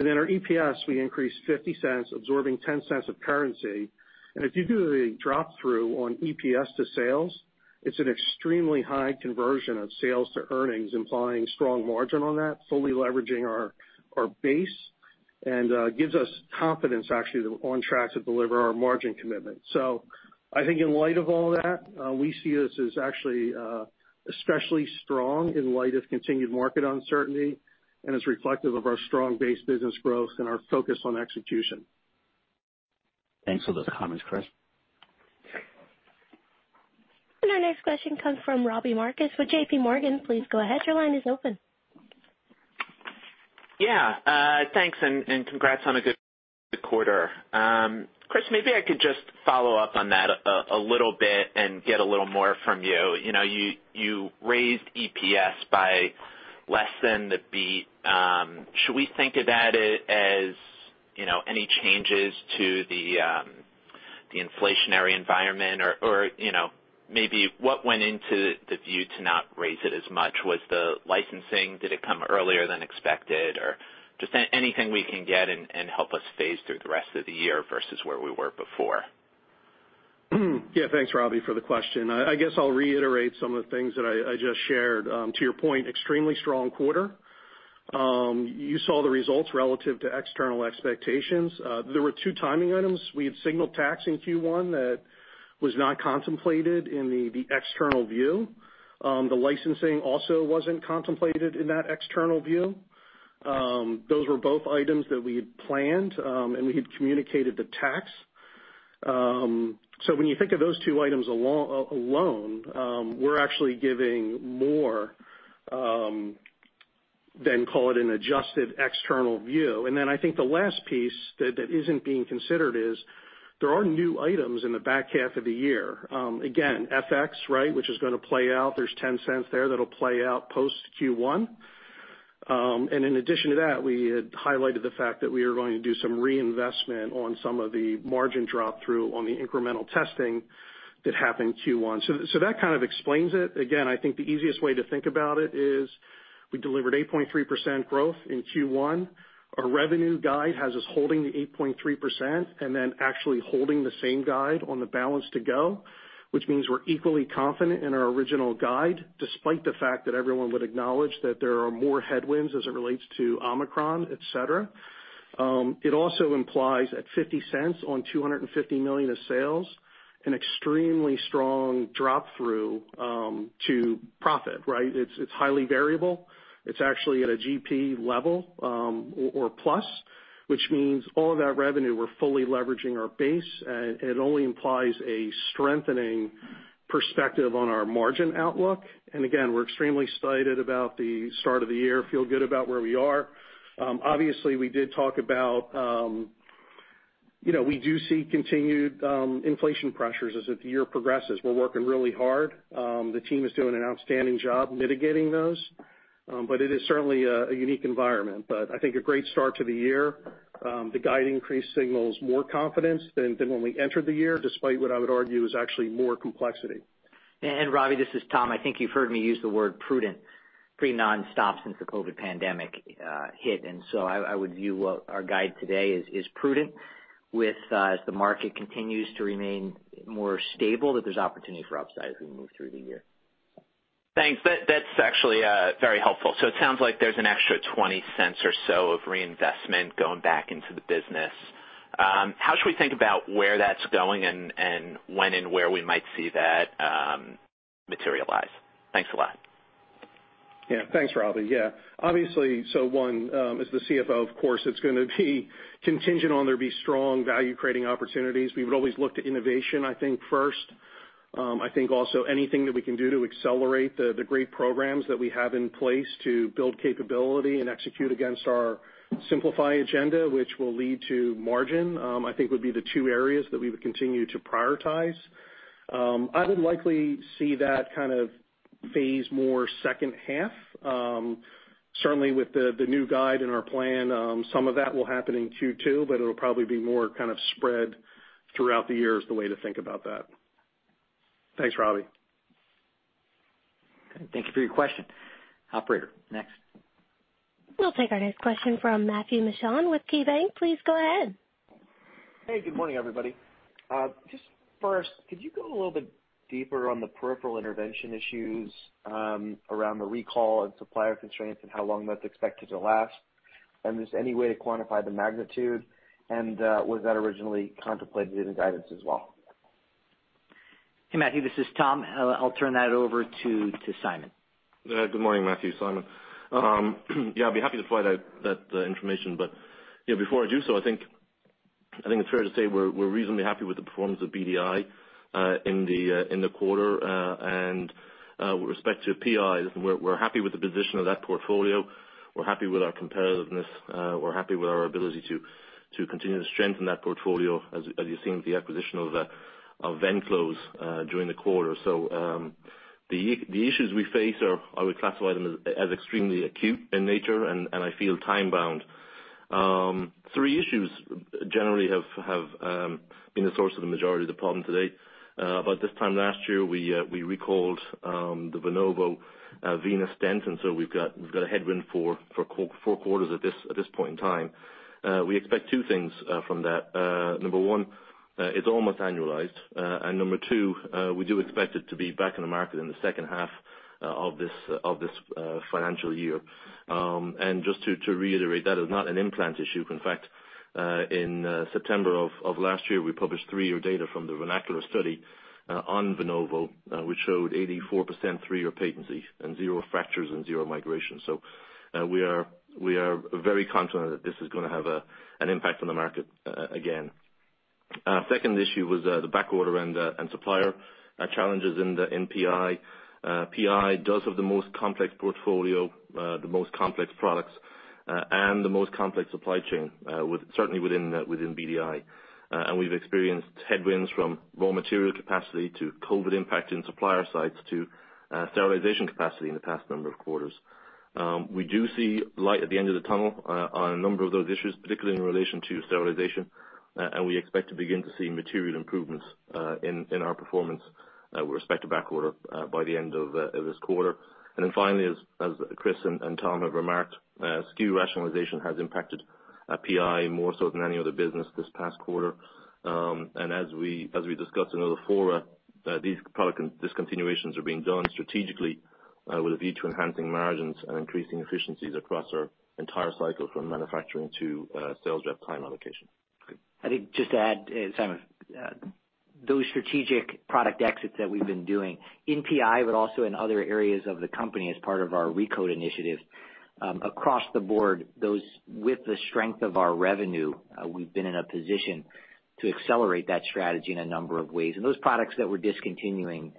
Our EPS, we increased $0.50, absorbing $0.10 of currency. If you do the drop through on EPS to sales, it's an extremely high conversion of sales to earnings, implying strong margin on that, fully leveraging our base, and gives us confidence actually that we're on track to deliver our margin commitment. I think in light of all that, we see this as actually, especially strong in light of continued market uncertainty and is reflective of our strong base business growth and our focus on execution. Thanks for those comments, Chris. Our next question comes from Robbie Marcus with JPMorgan. Please go ahead. Your line is open. Yeah. Thanks and congrats on a good quarter. Chris, maybe I could just follow up on that a little bit and get a little more from you. You know, you raised EPS by less than the beat. Should we think about it as, you know, any changes to the inflationary environment? Or, you know, maybe what went into the view to not raise it as much? Was the licensing, did it come earlier than expected? Or just anything we can get and help us parse through the rest of the year versus where we were before. Yeah. Thanks, Robbie, for the question. I guess I'll reiterate some of the things that I just shared. To your point, extremely strong quarter. You saw the results relative to external expectations. There were two timing items. We had signaled tax in Q1 that was not contemplated in the external view. The licensing also wasn't contemplated in that external view. Those were both items that we had planned, and we had communicated the tax. So, when you think of those two items alone, we're actually giving more than call it an adjusted external view. I think the last piece that isn't being considered is there are new items in the back half of the year. Again, FX, right, which is gonna play out. There's $0.10 there that'll play out post Q1. In addition to that, we had highlighted the fact that we are going to do some reinvestment on some of the margin drop through on the incremental testing that happened Q1. So that kind of explains it. Again, I think the easiest way to think about it is we delivered 8.3% growth in Q1. Our revenue guide has us holding the 8.3% and then actually holding the same guide on the balance to go, which means we're equally confident in our original guide, despite the fact that everyone would acknowledge that there are more headwinds as it relates to Omicron, et cetera. It also implies at $0.50 on $250 million of sales, an extremely strong drop through to profit, right? It's highly variable. It's actually at a GP level or plus, which means all of that revenue, we're fully leveraging our base. It only implies a strengthening perspective on our margin outlook. Again, we're extremely excited about the start of the year, feel good about where we are. Obviously, we did talk about, you know, we do see continued inflation pressures as the year progresses. We're working really hard. The team is doing an outstanding job mitigating those. It is certainly a unique environment. I think a great start to the year. The guide increase signals more confidence than when we entered the year, despite what I would argue is actually more complexity. Robbie, this is Tom. I think you've heard me use the word prudent pretty nonstop since the COVID pandemic hit. I would view our guidance today as prudent, as the market continues to remain more stable, that there's opportunity for upside as we move through the year. Thanks. That's actually very helpful. It sounds like there's an extra $0.20 or so of reinvestment going back into the business. How should we think about where that's going and when and where we might see that materialize? Thanks a lot. Yeah. Thanks, Robbie. Yeah, obviously, one, as the CFO, of course, it's gonna be contingent on there being strong value-creating opportunities. We would always look to innovation, I think, first. I think also anything that we can do to accelerate the great programs that we have in place to build capability and execute against our simplify agenda, which will lead to margin, I think, would be the two areas that we would continue to prioritize. I would likely see that kind of phase more second half. Certainly, with the new guidance in our plan, some of that will happen in Q2, but it'll probably be more kind of spread throughout the year is the way to think about that. Thanks, Robbie. Thank you for your question. Operator, next. We'll take our next question from Matthew Mishan with KeyBank. Please go ahead. Hey, good morning, everybody. Just first, could you go a little bit deeper on the peripheral intervention issues around the recall and supplier constraints and how long that's expected to last? Was that originally contemplated in the guidance as well? Hey Matthew, this is Tom. I'll turn that over to Simon. Good morning, Matthew. Simon. Yeah, I'd be happy to provide that information. You know, before I do so, I think it's fair to say we're reasonably happy with the performance of BDI in the quarter. With respect to PI, we're happy with the position of that portfolio. We're happy with our competitiveness. We're happy with our ability to continue to strengthen that portfolio as you've seen with the acquisition of Venclose during the quarter. The issues we face are, I would classify them as extremely acute in nature and I feel time bound. Three issues generally have been the source of the majority of the problem to date. About this time last year, we recalled the Venovo venous stent. We've got a headwind for four quarters at this point in time. We expect two things from that. Number one, it's almost annualized. Number two, we do expect it to be back in the market in the second half of this financial year. Just to reiterate, that is not an implant issue. In fact, in September of last year, we published three-year data from the VERNACULAR study on Venovo, which showed 84% three-year patency and zero fractures and zero migration. We are very confident that this is gonna have an impact on the market again. Second issue was the backorder and supplier challenges in the NPI. PI does have the most complex portfolio, the most complex products, and the most complex supply chain, certainly within BDI. We've experienced headwinds from raw material capacity to COVID impact in supplier sites to sterilization capacity in the past number of quarters. We do see light at the end of the tunnel on a number of those issues, particularly in relation to sterilization. We expect to begin to see material improvements in our performance with respect to backorder by the end of this quarter. Then finally, as Chris and Tom have remarked, SKU rationalization has impacted PI more so than any other business this past quarter. As we discussed in other fora, these product discontinuations are being done strategically, with a view to enhancing margins and increasing efficiencies across our entire cycle, from manufacturing to sales rep time allocation. I think just to add, Simon, those strategic product exits that we've been doing in PI, but also in other areas of the company as part of our RECODE initiative, across the board, those with the strength of our revenue, we've been in a position to accelerate that strategy in a number of ways. Those products that we're discontinuing,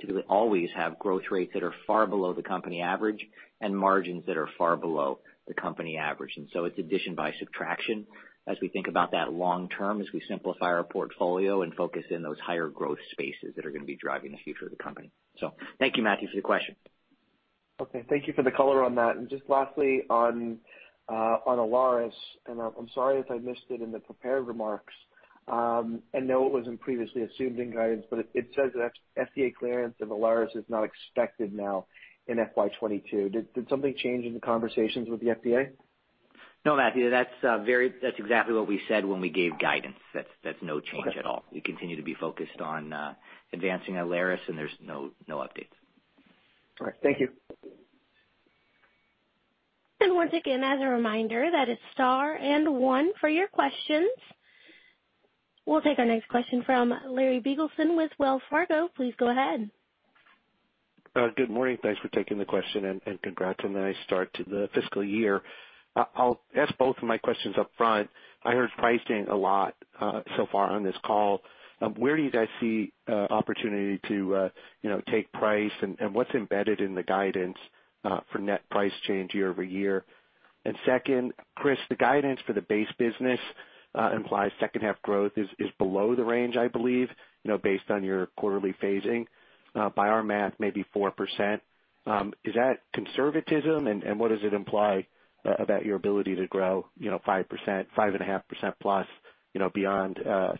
typically always have growth rates that are far below the company average and margins that are far below the company average. It's addition by subtraction as we think about that long term, as we simplify our portfolio and focus on those higher growth spaces that are gonna be driving the future of the company. Thank you, Matthew, for the question. Okay, thank you for the color on that. Just lastly on Alaris, and I'm sorry if I missed it in the prepared remarks, I know it wasn't previously assumed in guidance, but it says that FDA clearance of Alaris is not expected now in FY 2022. Did something change in the conversations with the FDA? No, Matthew, that's exactly what we said when we gave guidance. That's no change at all. Okay. We continue to be focused on advancing Alaris, and there's no updates. All right. Thank you. Once again, as a reminder, that it's star and one for your questions. We'll take our next question from Larry Biegelsen with Wells Fargo. Please go ahead. Good morning. Thanks for taking the question, and congrats on the nice start to the fiscal year. I'll ask both of my questions up front. I heard pricing a lot so far on this call. Where do you guys see opportunity to you know take price? And what's embedded in the guidance for net price change year-over-year? And second, Chris, the guidance for the base business implies second half growth is below the range, I believe, you know, based on your quarterly phasing. By our math, maybe 4%. Is that conservatism? And what does it imply about your ability to grow, you know, 5%, 5.5% plus, you know, beyond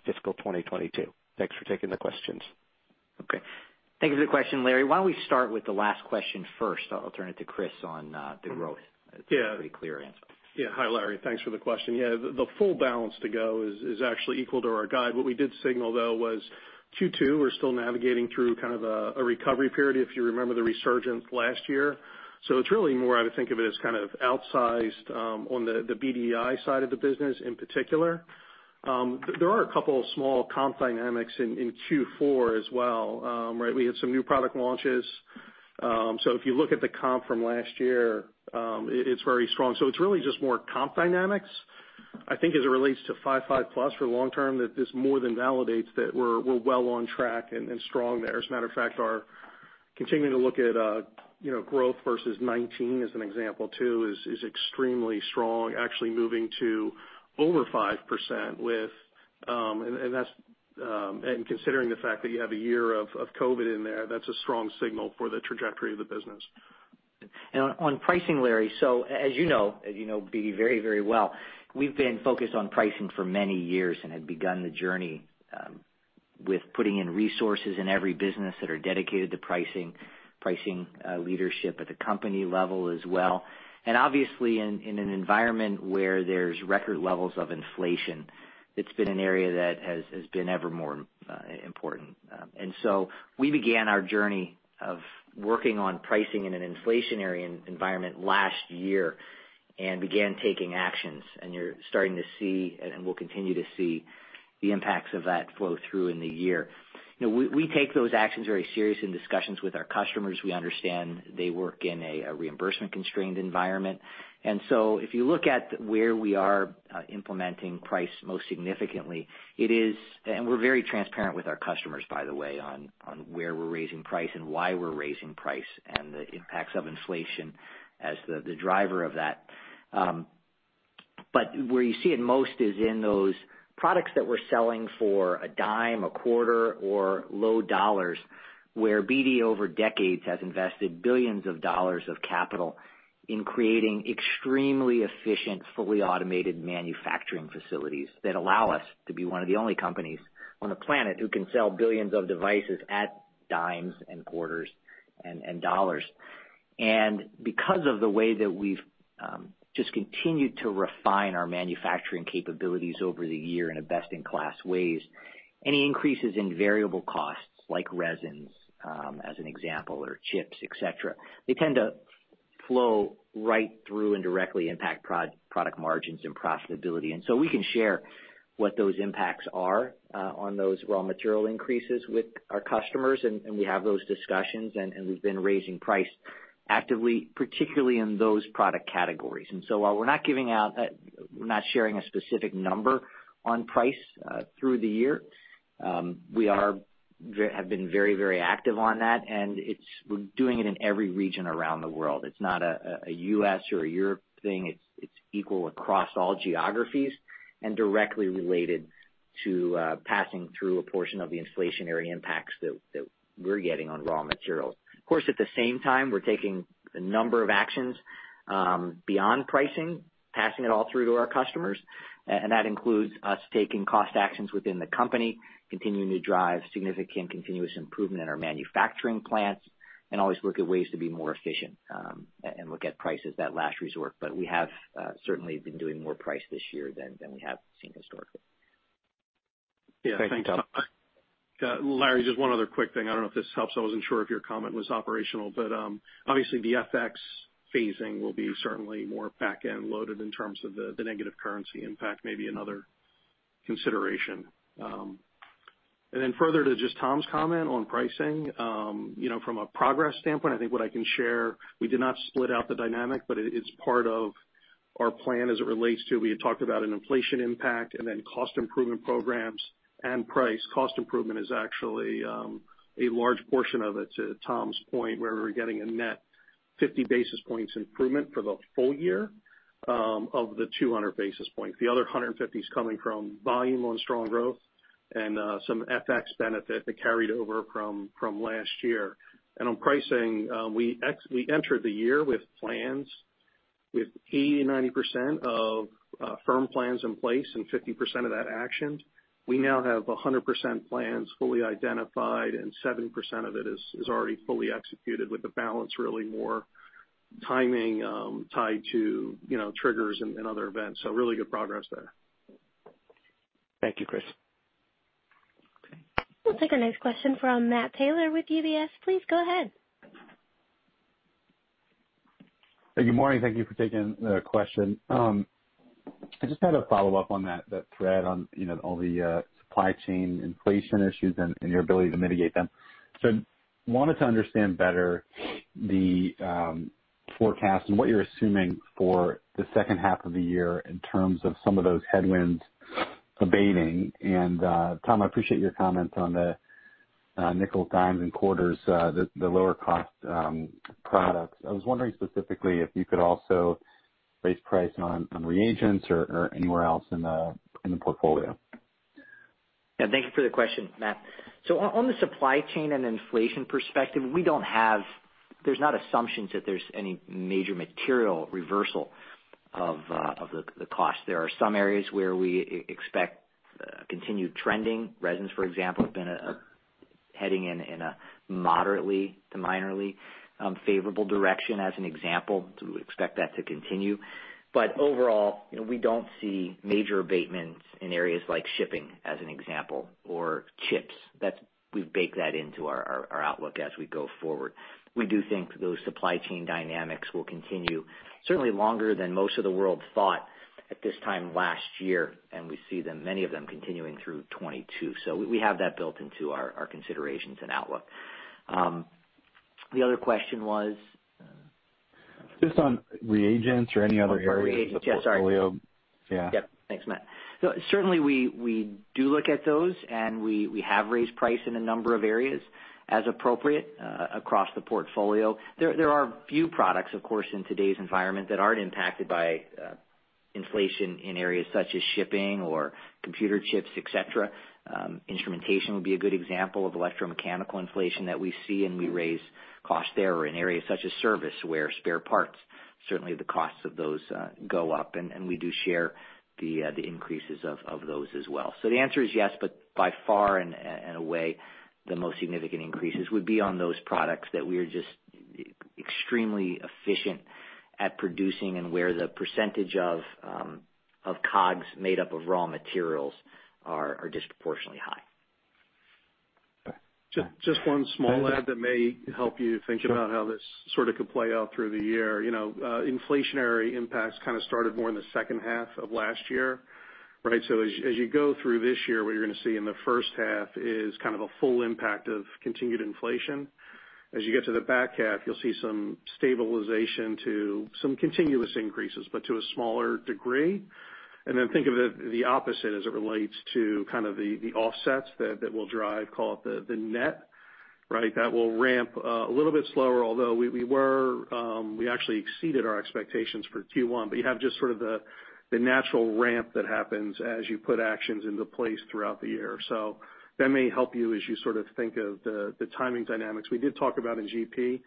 fiscal 2022? Thanks for taking the questions. Okay. Thank you for the question, Larry. Why don't we start with the last question first? I'll turn it to Chris on the growth. Yeah. It's a pretty clear answer. Yeah. Hi, Larry. Thanks for the question. Yeah, the full balance to go is actually equal to our guide. What we did signal though was Q2. We're still navigating through kind of a recovery period, if you remember the resurgence last year. It's really more. I would think of it as kind of outsized on the BDI side of the business in particular. There are a couple of small comp dynamics in Q4 as well. Right? We had some new product launches. If you look at the comp from last year, it's very strong. It's really just more comp dynamics. I think as it relates to 5% plus for long term, that this more than validates that we're well on track and strong there. As a matter of fact, our continuing to look at, you know, growth versus 2019 as an example too, is extremely strong, actually moving to over 5%, and that's considering the fact that you have a year of COVID in there, that's a strong signal for the trajectory of the business. On pricing, Larry, as you know very well, we've been focused on pricing for many years and have begun the journey with putting in resources in every business that are dedicated to pricing leadership at the company level as well. Obviously in an environment where there's record levels of inflation, it's been an area that has been ever more important. We began our journey of working on pricing in an inflationary environment last year and began taking actions, and you're starting to see we'll continue to see the impacts of that flow through in the year. You know, we take those actions very serious in discussions with our customers. We understand they work in a reimbursement constrained environment. If you look at where we are implementing price most significantly, it is. We're very transparent with our customers, by the way, on where we're raising price and why we're raising price, and the impacts of inflation as the driver of that. Where you see it most is in those products that we're selling for a dime, a quarter, or low dollars, where BD over decades has invested billions of dollars of capital in creating extremely efficient, fully automated manufacturing facilities that allow us to be one of the only companies on the planet who can sell billions of devices at dimes and quarters and dollars. Because of the way that we've just continued to refine our manufacturing capabilities over the year in a best-in-class ways, any increases in variable costs like resins, as an example, or chips, et cetera, they tend to flow right through and directly impact product margins and profitability. We can share what those impacts are on those raw material increases with our customers. We have those discussions, and we've been raising price actively, particularly in those product categories. While we're not giving out, we're not sharing a specific number on price through the year, we have been very, very active on that, and we're doing it in every region around the world. It's not a U.S. or a Europe thing. It's equal across all geographies and directly related to passing through a portion of the inflationary impacts that we're getting on raw materials. Of course, at the same time, we're taking a number of actions beyond pricing, passing it all through to our customers. That includes us taking cost actions within the company, continuing to drive significant continuous improvement in our manufacturing plants, and always look at ways to be more efficient and look at pricing, that last resort. We have certainly been doing more pricing this year than we have seen historically. Yeah. Thanks, Tom. Yeah. Larry, just one other quick thing. I don't know if this helps. I wasn't sure if your comment was operational, but obviously the FX phasing will be certainly more back-end loaded in terms of the negative currency impact, maybe another consideration. Further to just Tom's comment on pricing, you know, from a progress standpoint, I think what I can share, we did not split out the dynamic, but it's part of our plan as it relates to, we had talked about an inflation impact and then cost improvement programs and price. Cost improvement is actually a large portion of it to Tom's point, where we're getting a net 50 basis points improvement for the full year, of the 200 basis points. The other 150 is coming from volume on strong growth and some FX benefit that carried over from last year. On pricing, we entered the year with plans with 80%-90% of firm plans in place and 50% of that actioned. We now have 100% plans fully identified, and 7% of it is already fully executed with the balance really more timing tied to you know triggers and other events. Really good progress there. Thank you, Chris. Okay. We'll take our next question from Matt Taylor with UBS. Please go ahead. Good morning. Thank you for taking the question. I just had a follow-up on that thread on, you know, all the supply chain inflation issues and your ability to mitigate them. So wanted to understand better the forecast and what you're assuming for the second half of the year in terms of some of those headwinds abating. Tom, I appreciate your comments on the nickels, dimes, and quarters, the lower cost products. I was wondering specifically if you could also raise price on reagents or anywhere else in the portfolio. Yeah. Thank you for the question, Matt. So, on the supply chain and inflation perspective, we don't have assumptions that there's any major material reversal of the cost. There are some areas where we expect continued trending. Resins, for example, have been heading in a moderately to minorly favorable direction as an example. So, we expect that to continue. But overall, you know, we don't see major abatements in areas like shipping, as an example, or chips. That's we've baked that into our outlook as we go forward. We do think those supply chain dynamics will continue certainly longer than most of the world thought at this time last year, and we see them, many of them continuing through 2022. So, we have that built into our considerations and outlook. The other question was. Just on reagents or any other area of the portfolio. Oh, sorry. Reagents. Yeah, sorry. Yeah. Yep. Thanks, Matt. Certainly, we do look at those, and we have raised price in a number of areas as appropriate, across the portfolio. There are few products, of course, in today's environment that aren't impacted by inflation in areas such as shipping or computer chips, et cetera. Instrumentation would be a good example of electromechanical inflation that we see, and we raise costs there or in areas such as service, where spare parts, certainly the costs of those, go up. We do share the increases of those as well. The answer is yes, but by far and away, the most significant increases would be on those products that we are just extremely efficient at producing and where the percentage of COGS made up of raw materials are disproportionately high. Just one small add that may help you think about how this sort of could play out through the year. You know, inflationary impacts kind of started more in the second half of last year, right? As you go through this year, what you're going to see in the first half is kind of a full impact of continued inflation. As you get to the back half, you'll see some stabilization to some continuous increases, but to a smaller degree. Then think of it the opposite as it relates to kind of the offsets that will drive, call it the net, right? That will ramp a little bit slower, although we were. We actually exceeded our expectations for Q1. You have just sort of the natural ramp that happens as you put actions into place throughout the year. That may help you as you sort of think of the timing dynamics. We did talk about GP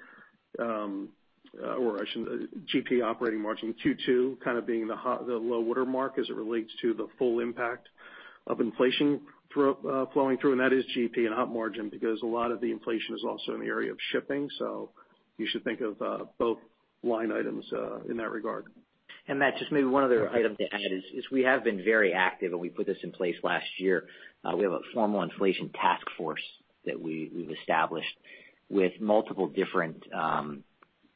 operating margin in Q2 kind of being the low water mark as it relates to the full impact of inflation flowing through, and that is GP and op margin because a lot of the inflation is also in the area of shipping. You should think of both line items in that regard. Matt, just maybe one other item to add is we have been very active, and we put this in place last year. We have a formal inflation task force that we've established with multiple different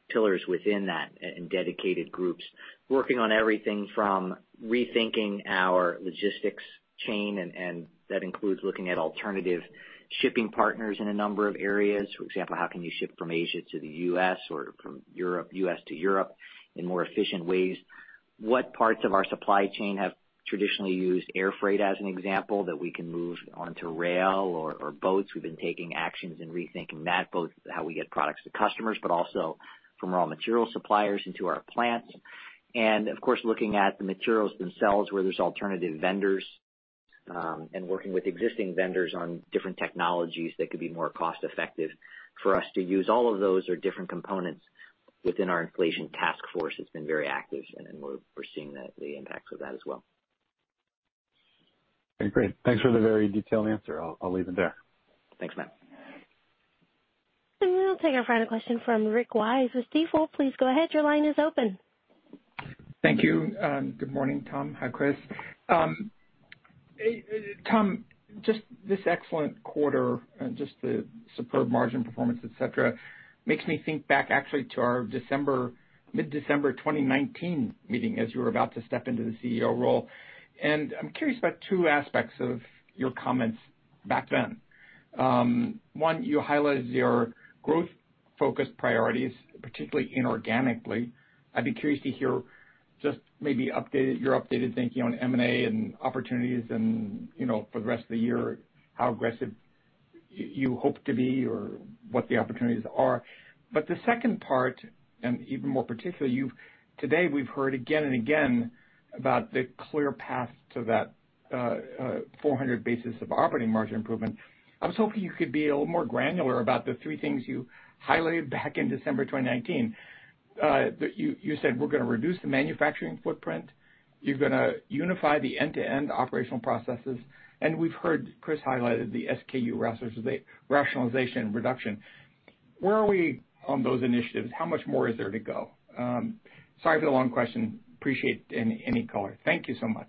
pillars within that and dedicated groups working on everything from rethinking our logistics chain, and that includes looking at alternative shipping partners in a number of areas. For example, how can you ship from Asia to the U.S. or from Europe, U.S. to Europe in more efficient ways? What parts of our supply chain have traditionally used air freight, as an example, that we can move onto rail or boats? We've been taking actions and rethinking that, both how we get products to customers, but also from raw material suppliers into our plants. Looking at the materials themselves, where there's alternative vendors, and working with existing vendors on different technologies that could be more cost-effective for us to use. All of those are different components within our inflation task force that's been very active, and we're seeing the impacts of that as well. Okay, great. Thanks for the very detailed answer. I'll leave it there. Thanks, Matt. We'll take our final question from Rick Wise with Stifel. Please go ahead. Your line is open. Thank you, and good morning, Tom. Hi, Chris. And Tom, just this excellent quarter and just the superb margin performance, et cetera, makes me think back actually to our December, mid-December 2019 meeting as you were about to step into the CEO role. I'm curious about two aspects of your comments back then. One, you highlighted your growth-focused priorities, particularly inorganically. I'd be curious to hear just maybe updated, your updated thinking on M&A and opportunities and, you know, for the rest of the year, how aggressive you hope to be or what the opportunities are. The second part, and even more particularly, today we've heard again and again about the clear path to that 400 basis points of operating margin improvement. I was hoping you could be a little more granular about the three things you highlighted back in December 2019. You said we're gonna reduce the manufacturing footprint. You're gonna unify the end-to-end operational processes. We've heard Chris highlighted the SKU rationalization and reduction. Where are we on those initiatives? How much more is there to go? Sorry for the long question. Appreciate any color. Thank you so much.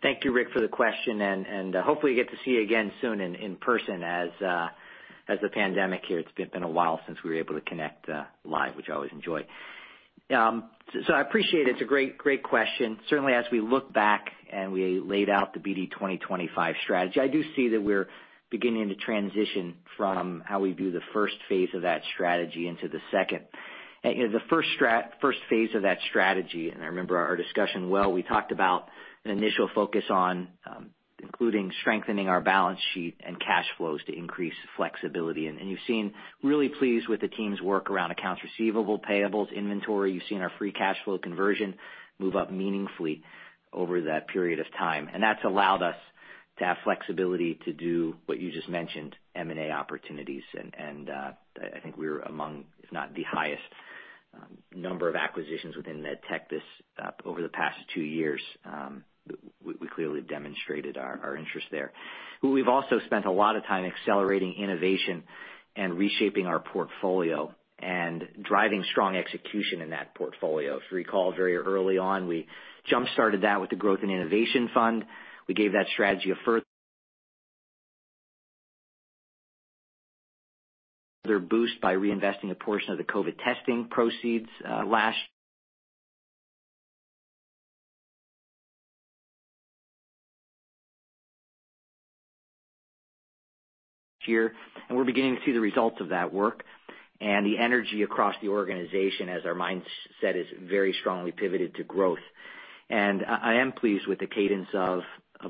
Thank you, Rick, for the question, and hopefully we get to see you again soon in person as the pandemic here. It's been a while since we were able to connect live, which I always enjoy. I appreciate it. It's a great question. Certainly, as we look back and we laid out the BD 2025 strategy, I do see that we're beginning to transition from how we do the first phase of that strategy into the second. You know, the first phase of that strategy, and I remember our discussion well, we talked about an initial focus on including strengthening our balance sheet and cash flows to increase flexibility. We're really pleased with the team's work around accounts receivable, payables, inventory. You've seen our free cash flow conversion move up meaningfully over that period of time. That's allowed us to have flexibility to do what you just mentioned, M&A opportunities. I think we're among, if not the highest, number of acquisitions within med tech this over the past two years. We clearly demonstrated our interest there. We've also spent a lot of time accelerating innovation and reshaping our portfolio and driving strong execution in that portfolio. If you recall, very early on, we jump-started that with the growth and innovation fund. We gave that strategy a further boost by reinvesting a portion of the COVID testing proceeds last year. We're beginning to see the results of that work and the energy across the organization as our mindset is very strongly pivoted to growth. I am pleased with the cadence of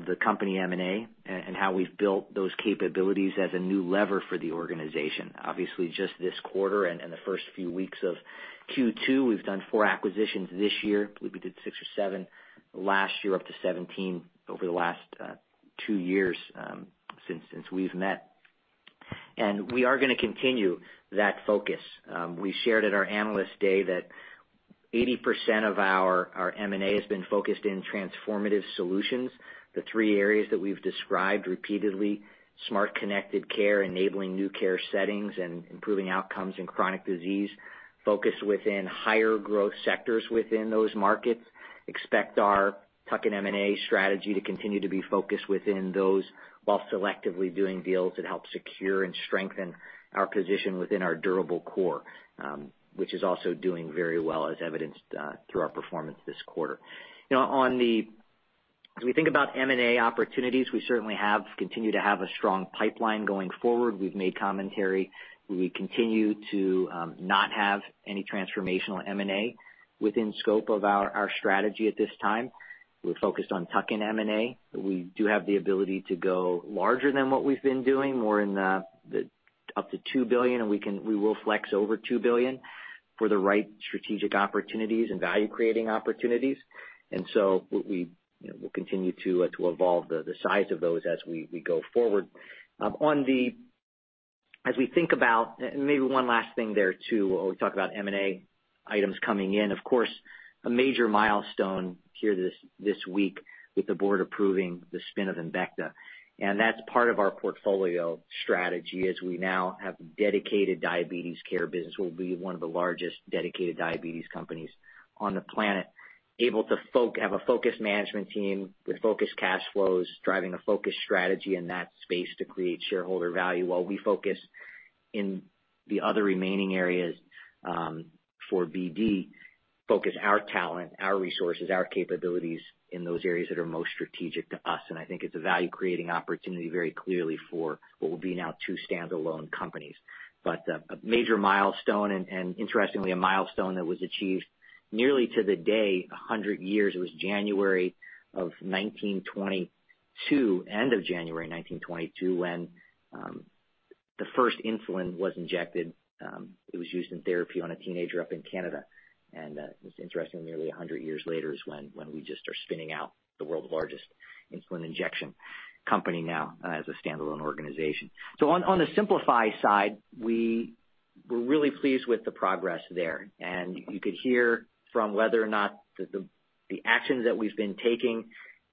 the company M&A and how we've built those capabilities as a new lever for the organization. Obviously, just this quarter and the first few weeks of Q2, we've done four acquisitions this year. I believe we did six or seven last year, up to 17 over the last two years since we've met. We are gonna continue that focus. We shared at our Analyst Day that 80% of our M&A has been focused in transformative solutions. The three areas that we've described repeatedly, smart connected care, enabling new care settings, and improving outcomes in chronic disease focus within higher growth sectors within those markets. Expect our tuck-in M&A strategy to continue to be focused within those while selectively doing deals that help secure and strengthen our position within our durable core, which is also doing very well as evidenced through our performance this quarter. Now as we think about M&A opportunities, we certainly continue to have a strong pipeline going forward. We've made commentary. We continue to not have any transformational M&A within scope of our strategy at this time. We're focused on tuck-in M&A. We do have the ability to go larger than what we've been doing, more in the up to $2 billion, and we will flex over $2 billion for the right strategic opportunities and value-creating opportunities. You know, we'll continue to evolve the size of those as we go forward. As we think about maybe one last thing there, too, when we talk about M&A items coming in. Of course, a major milestone here this week with the board approving the spin of Embecta. That's part of our portfolio strategy, as we now have dedicated diabetes care business. We'll be one of the largest dedicated diabetes companies on the planet, able to have a focused management team with focused cash flows, driving a focused strategy in that space to create shareholder value while we focus in the other remaining areas for BD, focus our talent, our resources, our capabilities in those areas that are most strategic to us. I think it's a value-creating opportunity very clearly for what will be now two standalone companies. A major milestone and interestingly, a milestone that was achieved nearly to the day 100 years. It was January 1922, end of January 1922, when the first insulin was injected. It was used in therapy on a teenager up in Canada. It was interestingly 100 years later when we just are spinning out the world's largest insulin injection company now as a standalone organization. On the simplify side, we were really pleased with the progress there. You could hear from whether or not the actions that we've been taking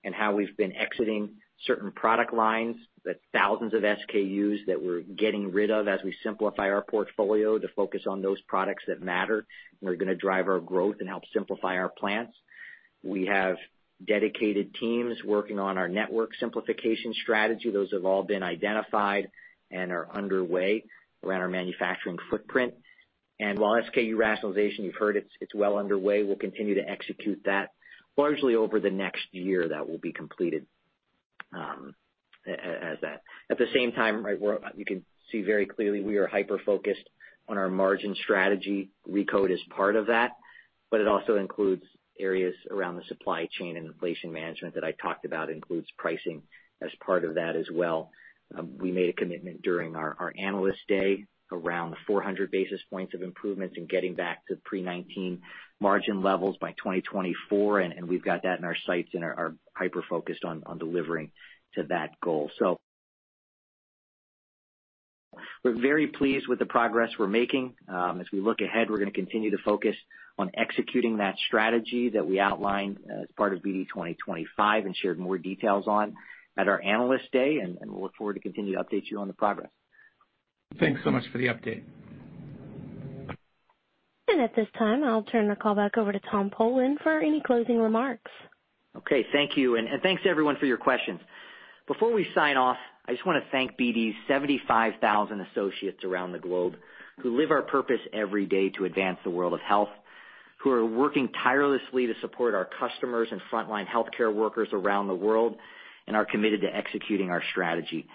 and how we've been exiting certain product lines, the thousands of SKUs that we're getting rid of as we simplify our portfolio to focus on those products that matter and are gonna drive our growth and help simplify our plans. We have dedicated teams working on our network simplification strategy. Those have all been identified and are underway around our manufacturing footprint. While SKU rationalization, you've heard it's well underway. We'll continue to execute that. Largely over the next year, that will be completed, as that. At the same time, you can see very clearly we are hyper-focused on our margin strategy. RECODE is part of that, but it also includes areas around the supply chain and inflation management that I talked about, includes pricing as part of that as well. We made a commitment during our Analyst Day around the 400 basis points of improvements and getting back to pre-19 margin levels by 2024, and we've got that in our sights and are hyper-focused on delivering to that goal. We're very pleased with the progress we're making. As we look ahead, we're gonna continue to focus on executing that strategy that we outlined as part of BD 2025 and shared more details on at our Analyst Day, and we'll look forward to continuing to update you on the progress. Thanks so much for the update. At this time, I'll turn the call back over to Tom Polen for any closing remarks. Okay. Thank you, and thanks everyone for your questions. Before we sign off, I just wanna thank BD's 75,000 associates around the globe who live our purpose every day to advance the world of health, who are working tirelessly to support our customers and frontline healthcare workers around the world, and are committed to executing our strategy.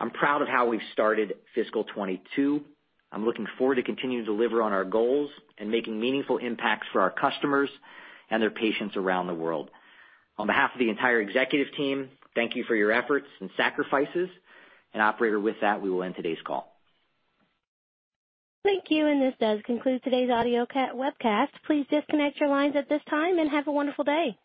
I'm proud of how we've started fiscal 2022. I'm looking forward to continuing to deliver on our goals and making meaningful impacts for our customers and their patients around the world. On behalf of the entire executive team, thank you for your efforts and sacrifices. Operator, with that, we will end today's call. Thank you, and this does conclude today's audio webcast. Please disconnect your lines at this time and have a wonderful day.